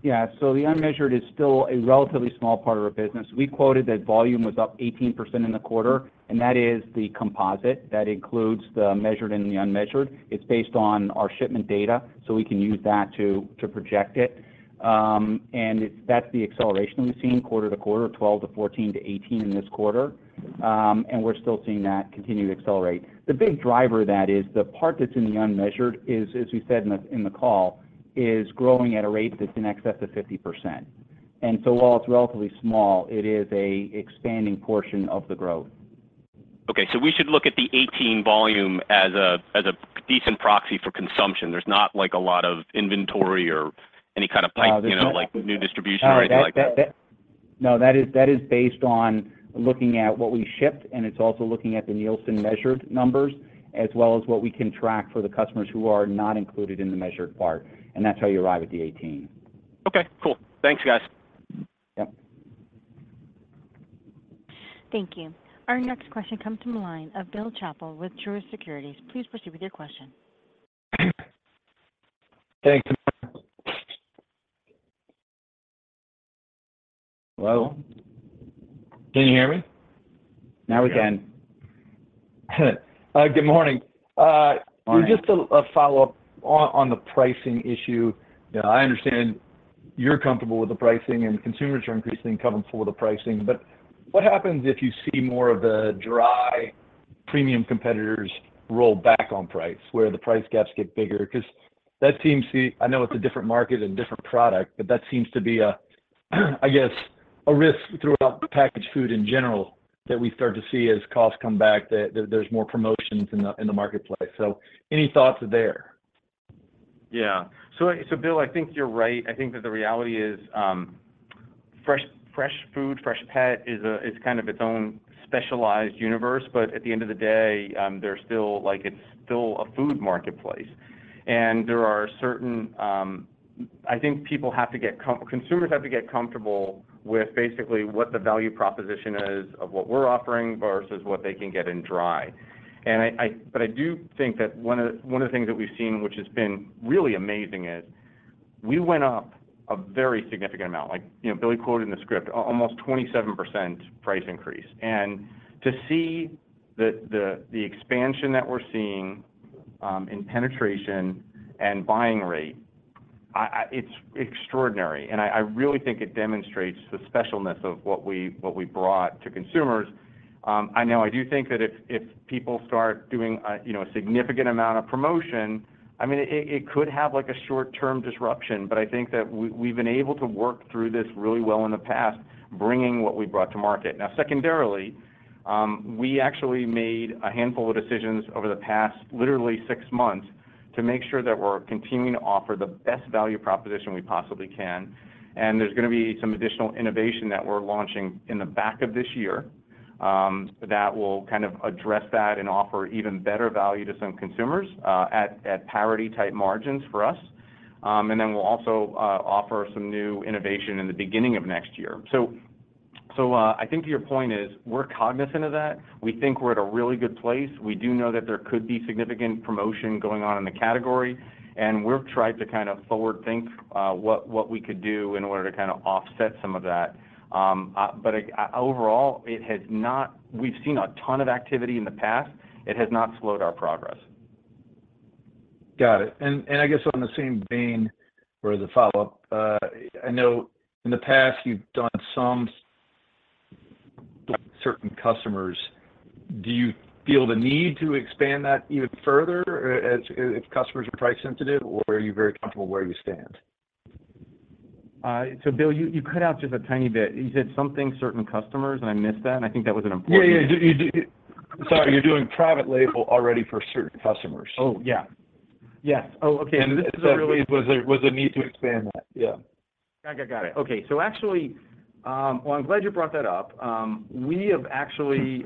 Yeah, the unmeasured is still a relatively small part of our business. We quoted that volume was up 18% in the quarter. That is the composite that includes the measured and the unmeasured. It's based on our shipment data. We can use that to project it. That's the acceleration we've seen quarter to quarter, 12%-14%-18% in this quarter. We're still seeing that continue to accelerate. The big driver of that is the part that's in the unmeasured, as we said in the call, is growing at a rate that's in excess of 50%. While it's relatively small, it is a expanding portion of the growth. Okay. We should look at the 18 volume as a decent proxy for consumption. There's not, like, a lot of inventory or any kind of pipe... No, there's not. You know, like new distribution or anything like that? No, that is, that is based on looking at what we shipped, and it's also looking at the Nielsen measured numbers, as well as what we can track for the customers who are not included in the measured part, and that's how you arrive at the 18. Okay, cool. Thanks, guys. Yep. Thank you. Our next question comes from the line of Bill Chappell with Truist Securities. Please proceed with your question. Thanks. Hello? Can you hear me? Now we can. Good morning. Morning. Just a follow-up on the pricing issue. I understand you're comfortable with the pricing and consumers are increasingly comfortable with the pricing, what happens if you see more of the dry premium competitors roll back on price, where the price gaps get bigger? That seems to. I know it's a different market and different product, but that seems to be a risk throughout packaged food in general, that we start to see as costs come back, there's more promotions in the marketplace. Any thoughts there? Yeah. So Bill, I think you're right. I think that the reality is, fresh, fresh food, Freshpet is a, is kind of its own specialized universe, but at the end of the day, they're still like it's still a food marketplace. There are certain, I think people have to get consumers have to get comfortable with basically what the value proposition is of what we're offering versus what they can get in dry. But I do think that one of, one of the things that we've seen, which has been really amazing, is we went up a very significant amount, like, you know, Billy quoted in the script, almost 27% price increase. To see the, the, the expansion that we're seeing, in penetration and buying rate, it's extraordinary, and I, I really think it demonstrates the specialness of what we, what we brought to consumers. I know I do think that if, if people start doing a, you know, a significant amount of promotion, I mean, it, it could have like a short-term disruption, but I think that we've been able to work through this really well in the past, bringing what we brought to market. Now, secondarily, we actually made a handful of decisions over the past, literally six months, to make sure that we're continuing to offer the best value proposition we possibly can. There's gonna be some additional innovation that we're launching in the back of this year, that will kind of address that and offer even better value to some consumers, at, at parity-type margins for us. Then we'll also, offer some new innovation in the beginning of next year. I think your point is, we're cognizant of that. We think we're at a really good place. We do know that there could be significant promotion going on in the category, and we've tried to kind of forward think, what, what we could do in order to kinda offset some of that. Overall, it has not-- we've seen a ton of activity in the past. It has not slowed our progress. Got it. I guess on the same vein for the follow-up, I know in the past you've done some certain customers, do you feel the need to expand that even further, as, if, if customers are price sensitive, or are you very comfortable where you stand? Bill, you, you cut out just a tiny bit. You said something, certain customers, and I missed that, and I think that was an important part. Yeah, yeah. Sorry, you're doing private label already for certain customers. Oh, yeah. Yes. Oh, okay. And this is a really- Was there, was a need to expand that? Yeah. Got it. Okay. Actually, well, I'm glad you brought that up. We have actually,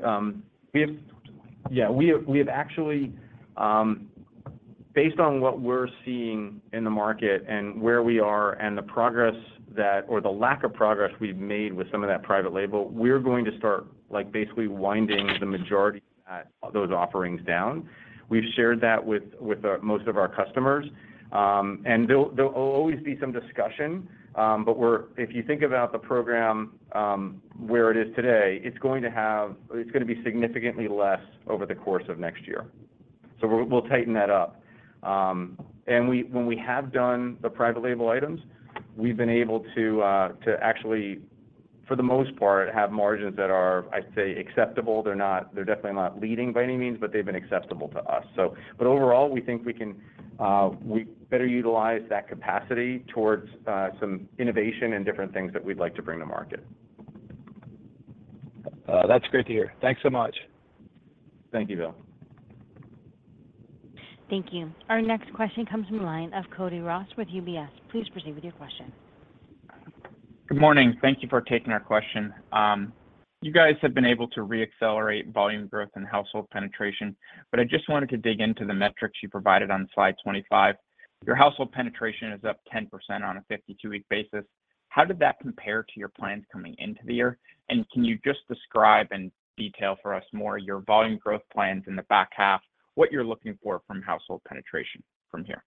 based on what we're seeing in the market and where we are and the progress that, or the lack of progress we've made with some of that private label, we're going to start, like, basically winding the majority of that, those offerings down. We've shared that with, with most of our customers. There'll always be some discussion, but we're if you think about the program, where it is today, it's gonna be significantly less over the course of next year. We'll tighten that up. When we have done the private label items, we've been able to actually, for the most part, have margins that are, I'd say, acceptable. They're not- they're definitely not leading by any means, but they've been acceptable to us. Overall, we think we can better utilize that capacity towards some innovation and different things that we'd like to bring to market. That's great to hear. Thanks so much. Thank you, Bill. Thank you. Our next question comes from the line of Cody Ross with UBS. Please proceed with your question. Good morning. Thank you for taking our question. You guys have been able to re-accelerate volume growth and household penetration, but I just wanted to dig into the metrics you provided on slide 25. Your household penetration is up 10% on a 52-week basis. How did that compare to your plans coming into the year? Can you just describe and detail for us more your volume growth plans in the back half, what you're looking for from household penetration from here?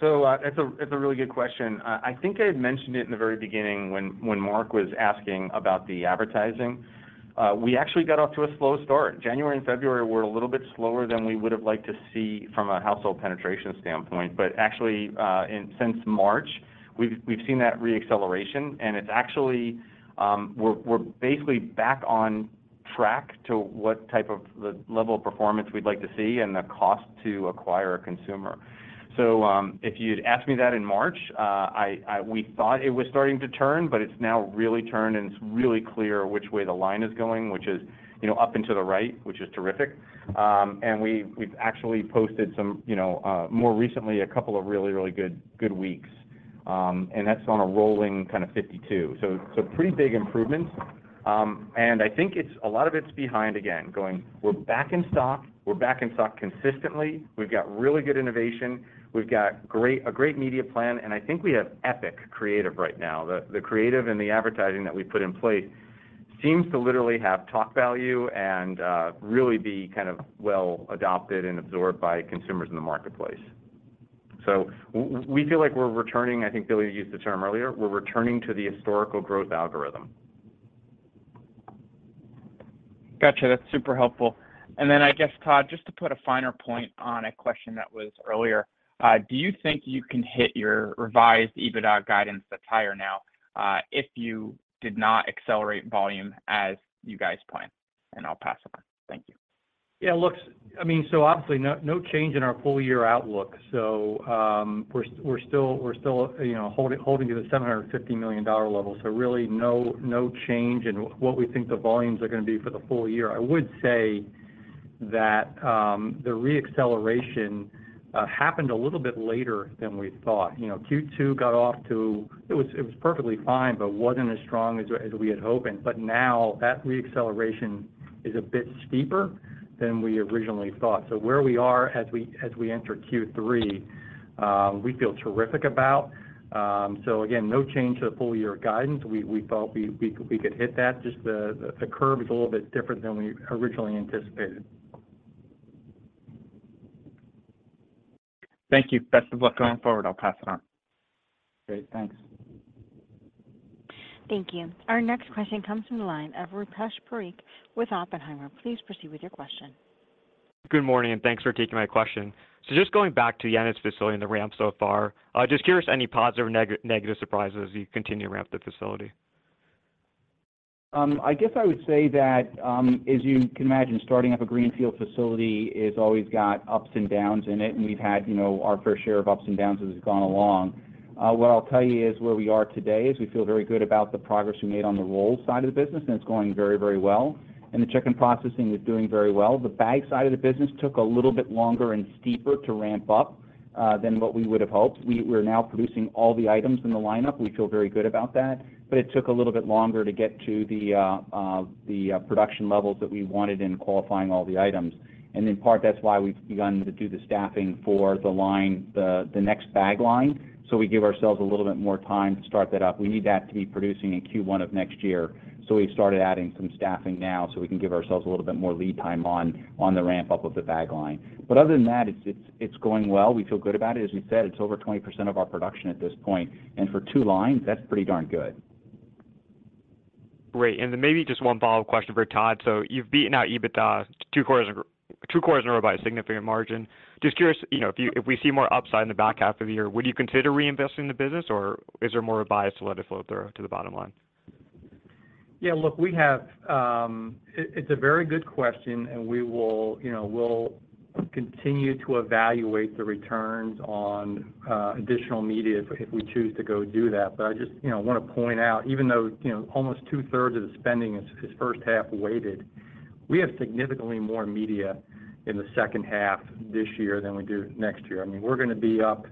That's a, that's a really good question. I think I had mentioned it in the very beginning when, when Mark was asking about the advertising. We actually got off to a slow start. January and February were a little bit slower than we would have liked to see from a household penetration standpoint. Actually, in-- since March, we've, we've seen that re-acceleration, and it's actually, we're, we're basically back on track to what type of the level of performance we'd like to see and the cost to acquire a consumer. If you'd asked me that in March, I, I-- we thought it was starting to turn, but it's now really turned, and it's really clear which way the line is going, which is, you know, up into the right, which is terrific. We've actually posted some, you know, more recently, a couple of really, really good, good weeks. That's on a rolling kind of 52. Pretty big improvements. I think it's a lot of it's behind, again, going, we're back in stock. We're back in stock consistently. We've got really good innovation. We've got great a great media plan, and I think we have epic creative right now. The, the creative and the advertising that we put in place seems to literally have talk value and really be kind of well adopted and absorbed by consumers in the marketplace. We feel like we're returning, I think Billy used the term earlier, we're returning to the historical growth algorithm. Gotcha. That's super helpful. I guess, Todd, just to put a finer point on a question that was earlier, do you think you can hit your revised EBITDA guidance that's higher now, if you did not accelerate volume as you guys planned? I'll pass over. Thank you. Yeah, look, I mean, obviously, no, no change in our full year outlook. We're still, we're still, you know, holding, holding to the $750 million level. Really no, no change in what we think the volumes are gonna be for the full year. I would say that the re-acceleration happened a little bit later than we thought. You know, Q2 got off to... It was, it was perfectly fine, but wasn't as strong as, as we had hoped. Now that re-acceleration is a bit steeper than we originally thought. Where we are as we, as we enter Q3, we feel terrific about. Again, no change to the full year guidance. We, we thought we, we, we could hit that. Just the, the, the curve is a little bit different than we originally anticipated. Thank you. Best of luck going forward. I'll pass it on. Great. Thanks. Thank you. Our next question comes from the line of Rupesh Parikh with Oppenheimer. Please proceed with your question. Good morning, thanks for taking my question. Just going back to Ennis facility and the ramp so far, just curious, any positive or negative surprises as you continue to ramp the facility? I guess I would say that, as you can imagine, starting up a greenfield facility has always got ups and downs in it, and we've had, you know, our fair share of ups and downs as it's gone along. What I'll tell you is where we are today is, we feel very good about the progress we made on the roll side of the business, and it's going very, very well. The chicken processing is doing very well. The bag side of the business took a little bit longer and steeper to ramp up than what we would have hoped. We're now producing all the items in the lineup. We feel very good about that, but it took a little bit longer to get to the production levels that we wanted in qualifying all the items. In part, that's why we've begun to do the staffing for the line, the next bag line, so we give ourselves a little bit more time to start that up. We need that to be producing in Q1 of next year. We've started adding some staffing now, so we can give ourselves a little bit more lead time on the ramp-up of the bag line. Other than that, it's, it's, it's going well. We feel good about it. As we said, it's over 20% of our production at this point, and for two lines, that's pretty darn good. Great. Then maybe just one follow-up question for Todd. You've beaten out EBITDA two quarters in two quarters in a row by a significant margin. Just curious, you know, if we see more upside in the back half of the year, would you consider reinvesting in the business, or is there more a bias to let it flow through to the bottom line? Yeah, look, we have. It's a very good question, we will, you know, we'll continue to evaluate the returns on additional media if, if we choose to go do that. I just, you know, want to point out, even though, you know, almost two-thirds of the spending is, is first half weighted, we have significantly more media in the second half this year than we do next year. I mean, we're gonna be up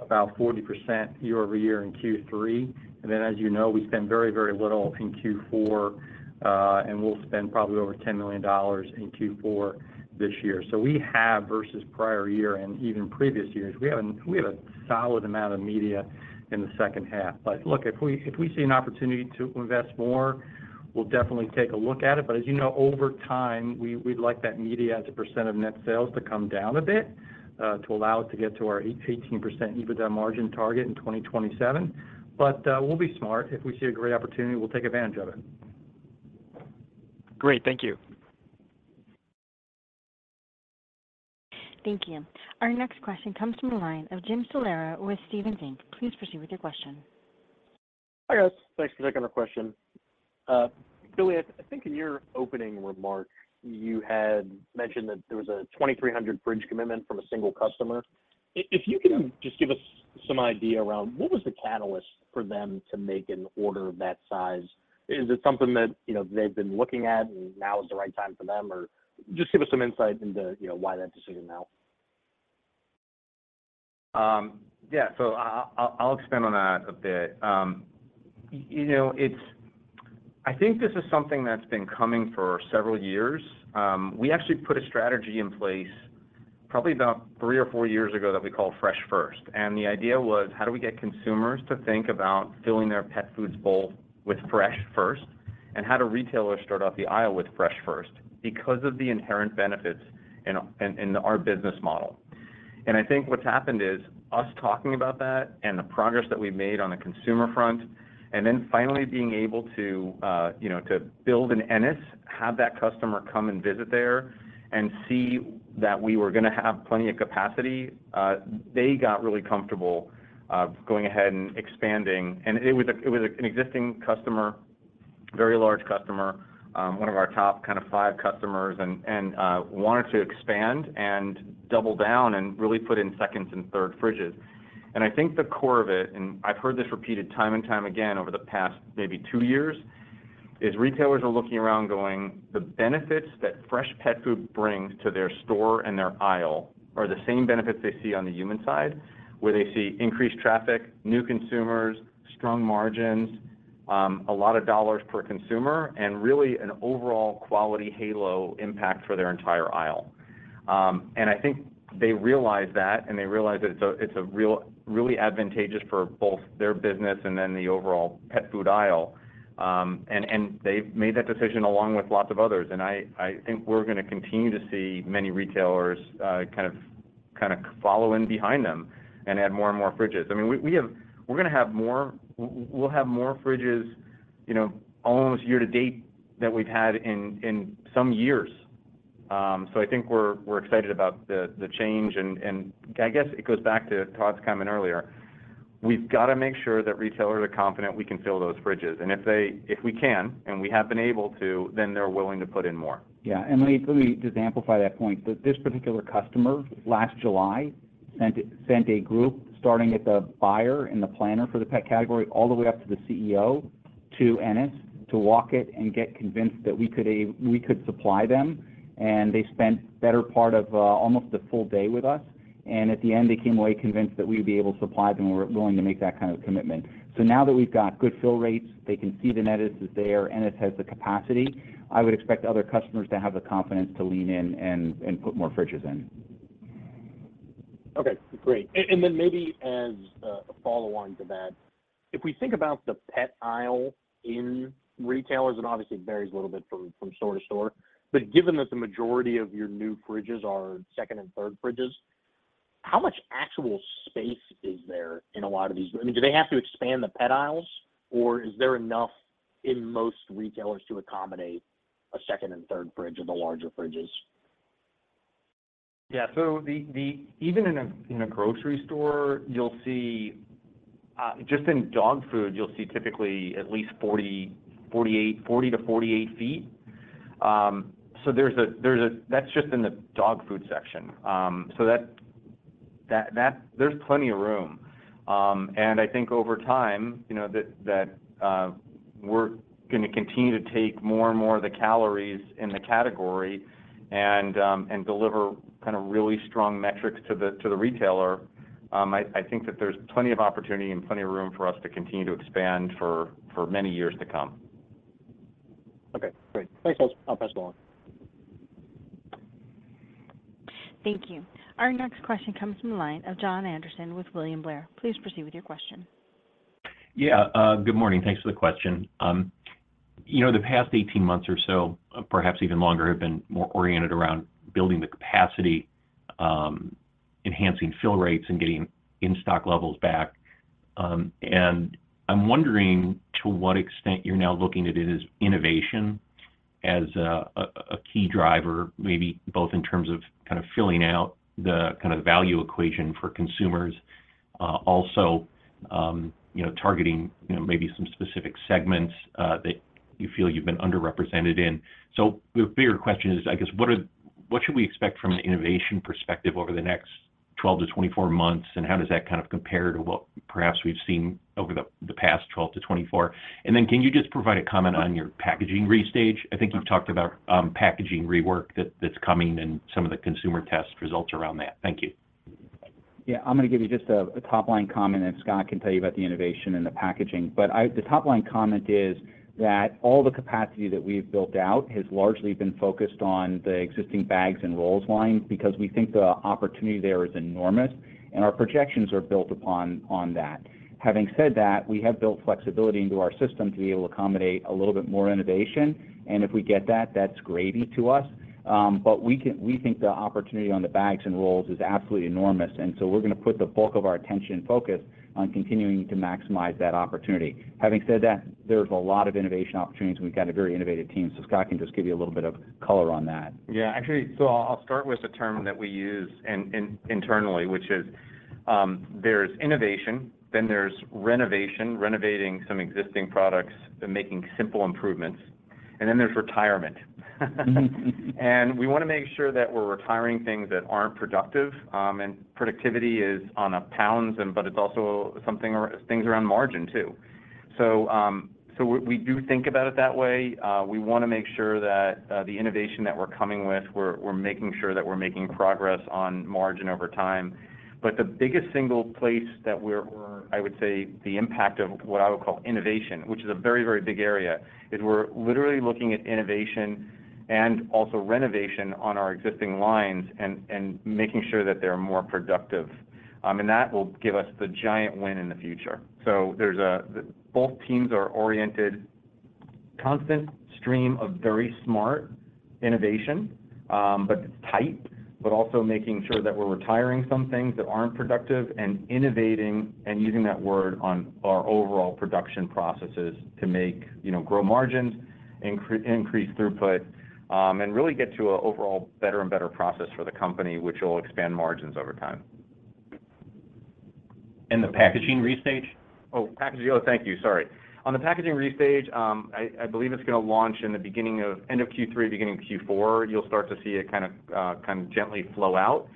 about 40% year-over-year in Q3, and then, as you know, we spend very, very little in Q4, and we'll spend probably over $10 million in Q4 this year. We have, versus prior year and even previous years, we have a solid amount of media in the second half. Look, if we, if we see an opportunity to invest more, we'll definitely take a look at it. As you know, over time, we'd like that media as a percent of net sales to come down a bit to allow us to get to our 18% EBITDA margin target in 2027. We'll be smart. If we see a great opportunity, we'll take advantage of it. Great. Thank you. Thank you. Our next question comes from the line of Jim Salera with Stephens Inc. Please proceed with your question. Hi, guys. Thanks for taking my question. Billy, I, I think in your opening remarks, you had mentioned that there was a $2,300 bridge commitment from a single customer. Yeah. If you can just give us some idea around what was the catalyst for them to make an order of that size? Is it something that, you know, they've been looking at, and now is the right time for them? Just give us some insight into, you know, why that decision now? Yeah. I, I'll, I'll expand on that a bit. you know, it's-... I think this is something that's been coming for several years. We actually put a strategy in place probably about three or four years ago, that we call Fresh First. The idea was, how do we get consumers to think about filling their pet food's bowl with fresh first? How do retailers start off the aisle with fresh first, because of the inherent benefits in, in, in our business model. I think what's happened is, us talking about that and the progress that we've made on the consumer front, and then finally being able to, you know, to build an Ennis, have that customer come and visit there, and see that we were gonna have plenty of capacity, they got really comfortable, going ahead and expanding. It was a, it was an existing customer, very large customer, one of our top kind of five customers, and, wanted to expand and double down, and really put in second and third fridges. I think the core of it, and I've heard this repeated time and time again over the past maybe two years, is retailers are looking around, going, "The benefits that Freshpet food brings to their store and their aisle, are the same benefits they see on the human side," where they see increased traffic, new consumers, strong margins, a lot of dollars per consumer, and really an overall quality halo impact for their entire aisle. I think they realize that, and they realize that it's a, it's a really advantageous for both their business and then the overall pet food aisle. And they've made that decision along with lots of others. I, I think we're gonna continue to see many retailers, kind of, kind of follow in behind them, and add more and more fridges. I mean, we're gonna have more... we'll have more fridges, you know, almost year to date, than we've had in some years. I think we're, we're excited about the, the change, and, and I guess it goes back to Todd's comment earlier. We've got to make sure that retailers are confident we can fill those fridges. If they, if we can, and we have been able to, then they're willing to put in more. Yeah. Let me, let me just amplify that point, that this particular customer, last July, sent a, sent a group starting at the buyer and the planner for the pet category, all the way up to the CEO, to Ennis, to walk it and get convinced that we could we could supply them. They spent better part of almost a full day with us, and at the end, they came away convinced that we'd be able to supply them, and we're willing to make that kind of commitment. Now that we've got good fill rates, they can see the net is there, Ennis has the capacity, I would expect other customers to have the confidence to lean in and, and put more fridges in. Okay, great. Then maybe as a follow-on to that, if we think about the pet aisle in retailers, and obviously it varies a little bit from, from store to store, but given that the majority of your new fridges are second and third fridges, how much actual space is there in a lot of these? I mean, do they have to expand the pet aisles, or is there enough in most retailers to accommodate a second and third fridge or the larger fridges? Yeah. Even in a grocery store, you'll see, just in dog food, you'll see typically at least 40, 48, 40-48 feet. There's a, there's a-- That's just in the dog food section. There's plenty of room. I think over time, you know, we're gonna continue to take more and more of the calories in the category and deliver kind of really strong metrics to the retailer. I think that there's plenty of opportunity and plenty of room for us to continue to expand for many years to come. Okay, great. Thanks, guys. I'll pass it along. Thank you. Our next question comes from the line of Jon Andersen with William Blair. Please proceed with your question. Yeah, good morning. Thanks for the question. You know, the past 18 months or so, perhaps even longer, have been more oriented around building the capacity, enhancing fill rates, and getting in-stock levels back. I'm wondering, to what extent you're now looking at it as innovation, as a, a, a key driver, maybe both in terms of kind of filling out the kind of value equation for consumers, also, you know, targeting, you know, maybe some specific segments, that you feel you've been underrepresented in. The bigger question is, I guess, what are, what should we expect from an innovation perspective over the next 12-24 months, and how does that kind of compare to what perhaps we've seen over the, the past 12-24? Can you just provide a comment on your packaging restage? I think you've talked about, packaging rework that's coming and some of the consumer test results around that. Thank you. Yeah. I'm gonna give you just a, a top-line comment, and Scott can tell you about the innovation and the packaging. The top-line comment is, that all the capacity that we've built out has largely been focused on the existing bags and rolls line, because we think the opportunity there is enormous, and our projections are built upon on that. Having said that, we have built flexibility into our system to be able to accommodate a little bit more innovation, and if we get that, that's gravy to us. We think the opportunity on the bags and rolls is absolutely enormous, and so we're gonna put the bulk of our attention and focus on continuing to maximize that opportunity. Having said that, there's a lot of innovation opportunities. We've got a very innovative team, so Scott can just give you a little bit of color on that. Yeah. Actually, I'll start with the term that we use internally, which is, there's innovation, then there's renovation, renovating some existing products and making simple improvements, and then there's retirement. Mm-hmm. We wanna make sure that we're retiring things that aren't productive, and productivity is on a pounds and, but it's also something around, things around margin, too. We do think about it that way. We wanna make sure that, the innovation that we're coming with, we're, we're making sure that we're making progress on margin over time. The biggest single place that we're, we're, I would say, the impact of what I would call innovation, which is a very, very big area, is we're literally looking at innovation and also renovation on our existing lines and, and making sure that they're more productive. That will give us the giant win in the future. There's both teams are oriented, constant stream of very smart innovation, but it's tight, but also making sure that we're retiring some things that aren't productive and innovating, and using that word on our overall production processes to make, you know, grow margins, increase throughput, and really get to a overall better and better process for the company, which will expand margins over time. The packaging restage? Oh, packaging. Oh, thank you. Sorry. On the packaging restage, I believe it's gonna launch in the beginning of end of Q3, beginning of Q4. You'll start to see it kind of gently flow out.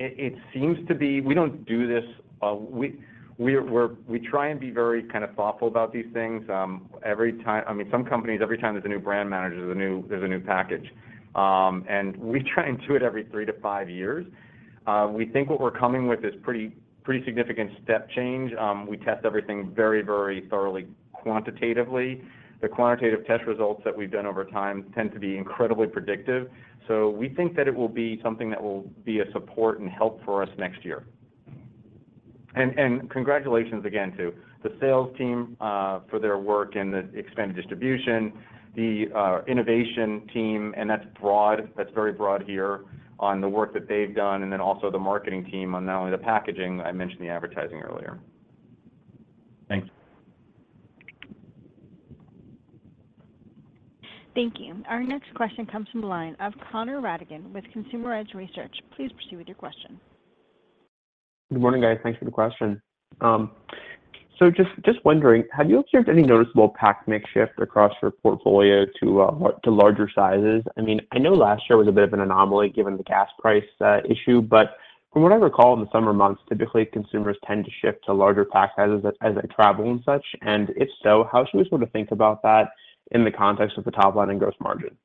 It seems to be... We don't do this, we try and be very kind of thoughtful about these things. Every time. I mean, some companies, every time there's a new brand manager, there's a new, there's a new package. We try and do it every three to five years. We think what we're coming with is pretty, pretty significant step change. We test everything very, very thoroughly quantitatively. The quantitative test results that we've done over time tend to be incredibly predictive. We think that it will be something that will be a support and help for us next year. Congratulations again to the sales team, for their work in the expanded distribution, the innovation team, and that's broad, that's very broad here on the work that they've done, and then also the marketing team on not only the packaging, I mentioned the advertising earlier. Thanks. Thank you. Our next question comes from the line of Connor Rattigan with Consumer Edge Research. Please proceed with your question. Good morning, guys. Thanks for the question. Just, just wondering, have you observed any noticeable pack mix shift across your portfolio to larger sizes? I mean, I know last year was a bit of an anomaly, given the gas price, issue, but from what I recall in the summer months, typically, consumers tend to shift to larger pack sizes as, as they travel and such. If so, how should we sort of think about that in the context of the top line and gross margin?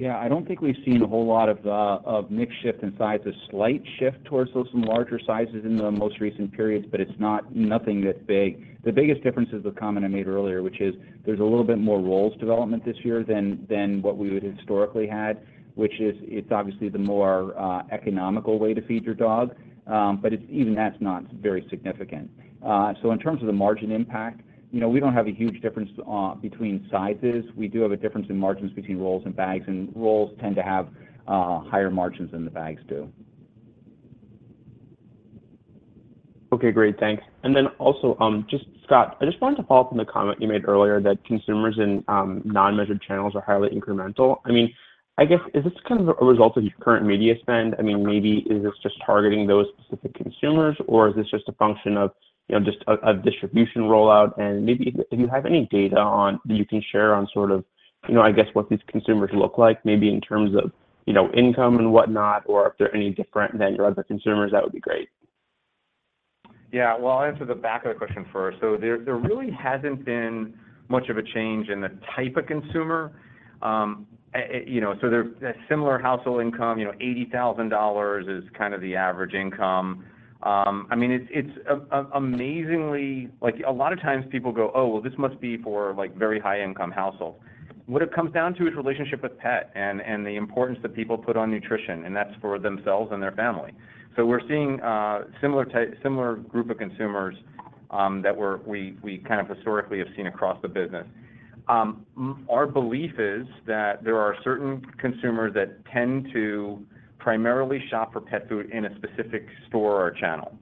Yeah, I don't think we've seen a whole lot of of mix shift in size, a slight shift towards those larger sizes in the most recent periods, but it's not nothing that big. The biggest difference is the comment I made earlier, which is there's a little bit more rolls development this year than than what we would historically had, which is, it's obviously the more economical way to feed your dog. But even that's not very significant. In terms of the margin impact, you know, we don't have a huge difference between sizes. We do have a difference in margins between rolls and bags, and rolls tend to have higher margins than the bags do. Okay, great. Thanks. Then also, just, Scott, I just wanted to follow up on the comment you made earlier that consumers in, non-measured channels are highly incremental. I mean, I guess, is this kind of a result of your current media spend? I mean, maybe is this just targeting those specific consumers, or is this just a function of, you know, just a, a distribution rollout? Maybe if you have any data on, that you can share on sort of, you know, I guess, what these consumers look like, maybe in terms of, you know, income and whatnot, or if they're any different than your other consumers, that would be great. Yeah. Well, I'll answer the back of the question first. There, there really hasn't been much of a change in the type of consumer. You know, they're a similar household income. You know, $80,000 is kind of the average income. I mean, it's, it's amazingly... Like, a lot of times people go, "Oh, well, this must be for, like, very high-income households." What it comes down to is relationship with pet and, and the importance that people put on nutrition, and that's for themselves and their family. We're seeing similar group of consumers that we, we kind of historically have seen across the business. Our belief is that there are certain consumers that tend to primarily shop for pet food in a specific store or channel.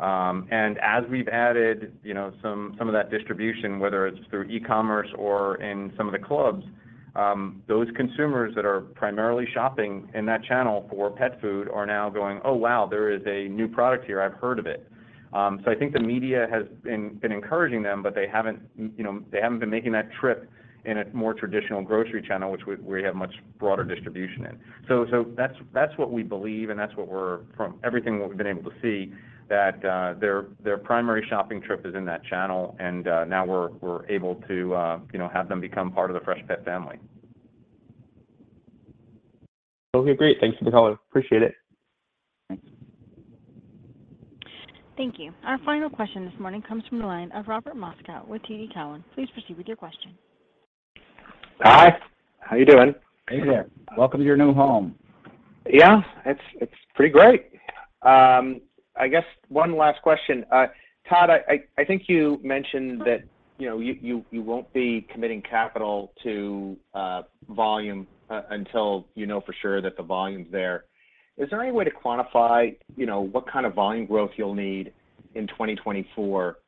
As we've added, you know, some, some of that distribution, whether it's through e-commerce or in some of the clubs, those consumers that are primarily shopping in that channel for pet food are now going, "Oh, wow, there is a new product here. I've heard of it." I think the media has been, been encouraging them, but they haven't, you know, they haven't been making that trip in a more traditional grocery channel, which we, we have much broader distribution in. That's, that's what we believe, and that's what we're. From everything that we've been able to see, that, their, their primary shopping trip is in that channel, and now we're, we're able to, you know, have them become part of the Freshpet family. Okay, great. Thanks for the call. Appreciate it. Thanks. Thank you. Our final question this morning comes from the line of Robert Moskow with TD Cowen. Please proceed with your question. Hi, how you doing? Hey there. Welcome to your new home. Yeah, it's, it's pretty great. I guess one last question. Todd, I, I, I think you mentioned that, you know, you, you, you won't be committing capital to volume until you know for sure that the volume's there. Is there any way to quantify, you know, what kind of volume growth you'll need in 2024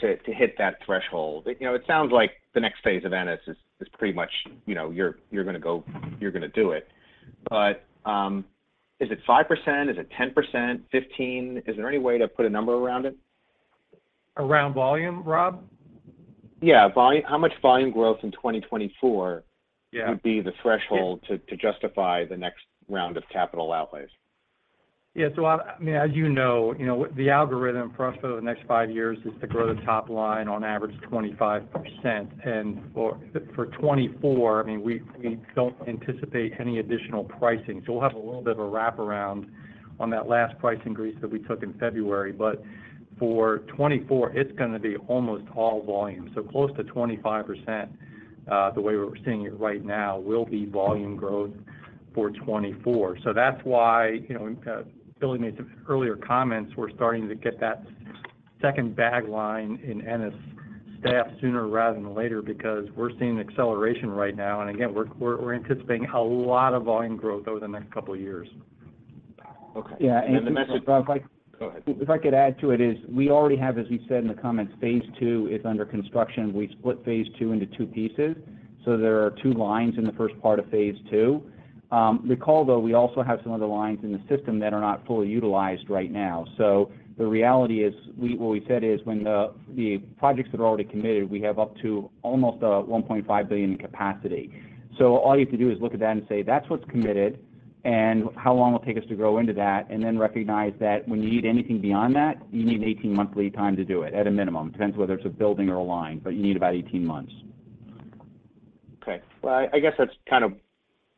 to, to hit that threshold? You know, it sounds like the next phase of Ennis is, is pretty much, you know, you're, you're gonna go, you're gonna do it. Is it 5%? Is it 10%? 15? Is there any way to put a number around it? Around volume, Rob? Yeah, volume. How much volume growth in 2024- Yeah. would be the threshold to, to justify the next round of capital outlays? Yeah. I, I mean, as you know, you know, the algorithm for us for the next five years is to grow the top line on average, 25%. For, for 2024, I mean, we, we don't anticipate any additional pricing. We'll have a little bit of a wraparound on that last price increase that we took in February. For 2024, it's gonna be almost all volume. Close to 25%, the way we're seeing it right now, will be volume growth for 2024. That's why, you know, Billy made some earlier comments. We're starting to get that second bag line in Ennis staffed sooner rather than later, because we're seeing an acceleration right now. Again, we're, we're, we're anticipating a lot of volume growth over the next couple of years. Okay. Yeah, the message- Go ahead. If I could add to it, is we already have, as we said in the comments, phase two is under construction. We've split phase two into two pieces, so there are two lines in the first part of phase two. Recall though, we also have some other lines in the system that are not fully utilized right now. The reality is, what we said is, when the, the projects that are already committed, we have up to almost $1.5 billion in capacity. All you have to do is look at that and say, "That's what's committed," and how long it will take us to grow into that, and then recognize that when you need anything beyond that, you need 18 monthly time to do it at a minimum. Depends on whether it's a building or a line, but you need about 18 months. Okay. Well, I, I guess that's kind of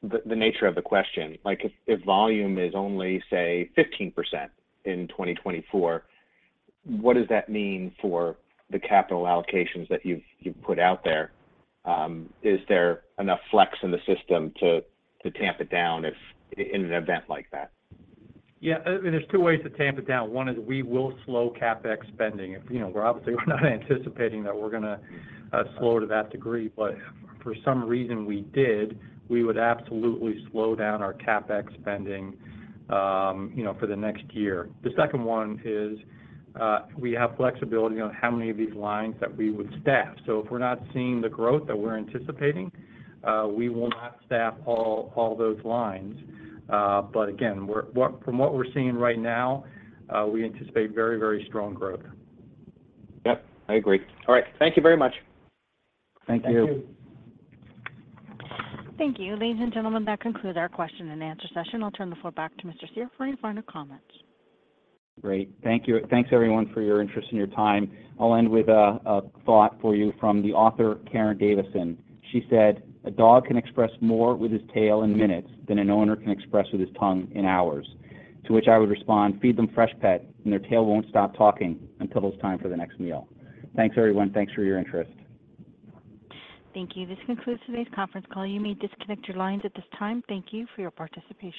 the, the nature of the question. Like, if, if volume is only, say, 15% in 2024, what does that mean for the capital allocations that you've, you've put out there? Is there enough flex in the system to, to tamp it down in an event like that? Yeah. I mean, there's two ways to tamp it down. One is we will slow CapEx spending. You know, we're obviously we're not anticipating that we're gonna slow to that degree, but if for some reason we did, we would absolutely slow down our CapEx spending, you know, for the next year. The second one is, we have flexibility on how many of these lines that we would staff. If we're not seeing the growth that we're anticipating, we will not staff all those lines. Again, From what we're seeing right now, we anticipate very, very strong growth. Yep, I agree. All right. Thank you very much. Thank you. Thank you. Thank you. Ladies and gentlemen, that concludes our question and answer session. I'll turn the floor back to Mr. Cyr for any final comments. Great. Thank you. Thanks, everyone, for your interest and your time. I'll end with a thought for you from the author Karen Davison. She said, "A dog can express more with his tail in minutes, than an owner can express with his tongue in hours." To which I would respond, "Feed them Freshpet, and their tail won't stop talking until it's time for the next meal." Thanks, everyone. Thanks for your interest. Thank you. This concludes today's conference call. You may disconnect your lines at this time. Thank you for your participation.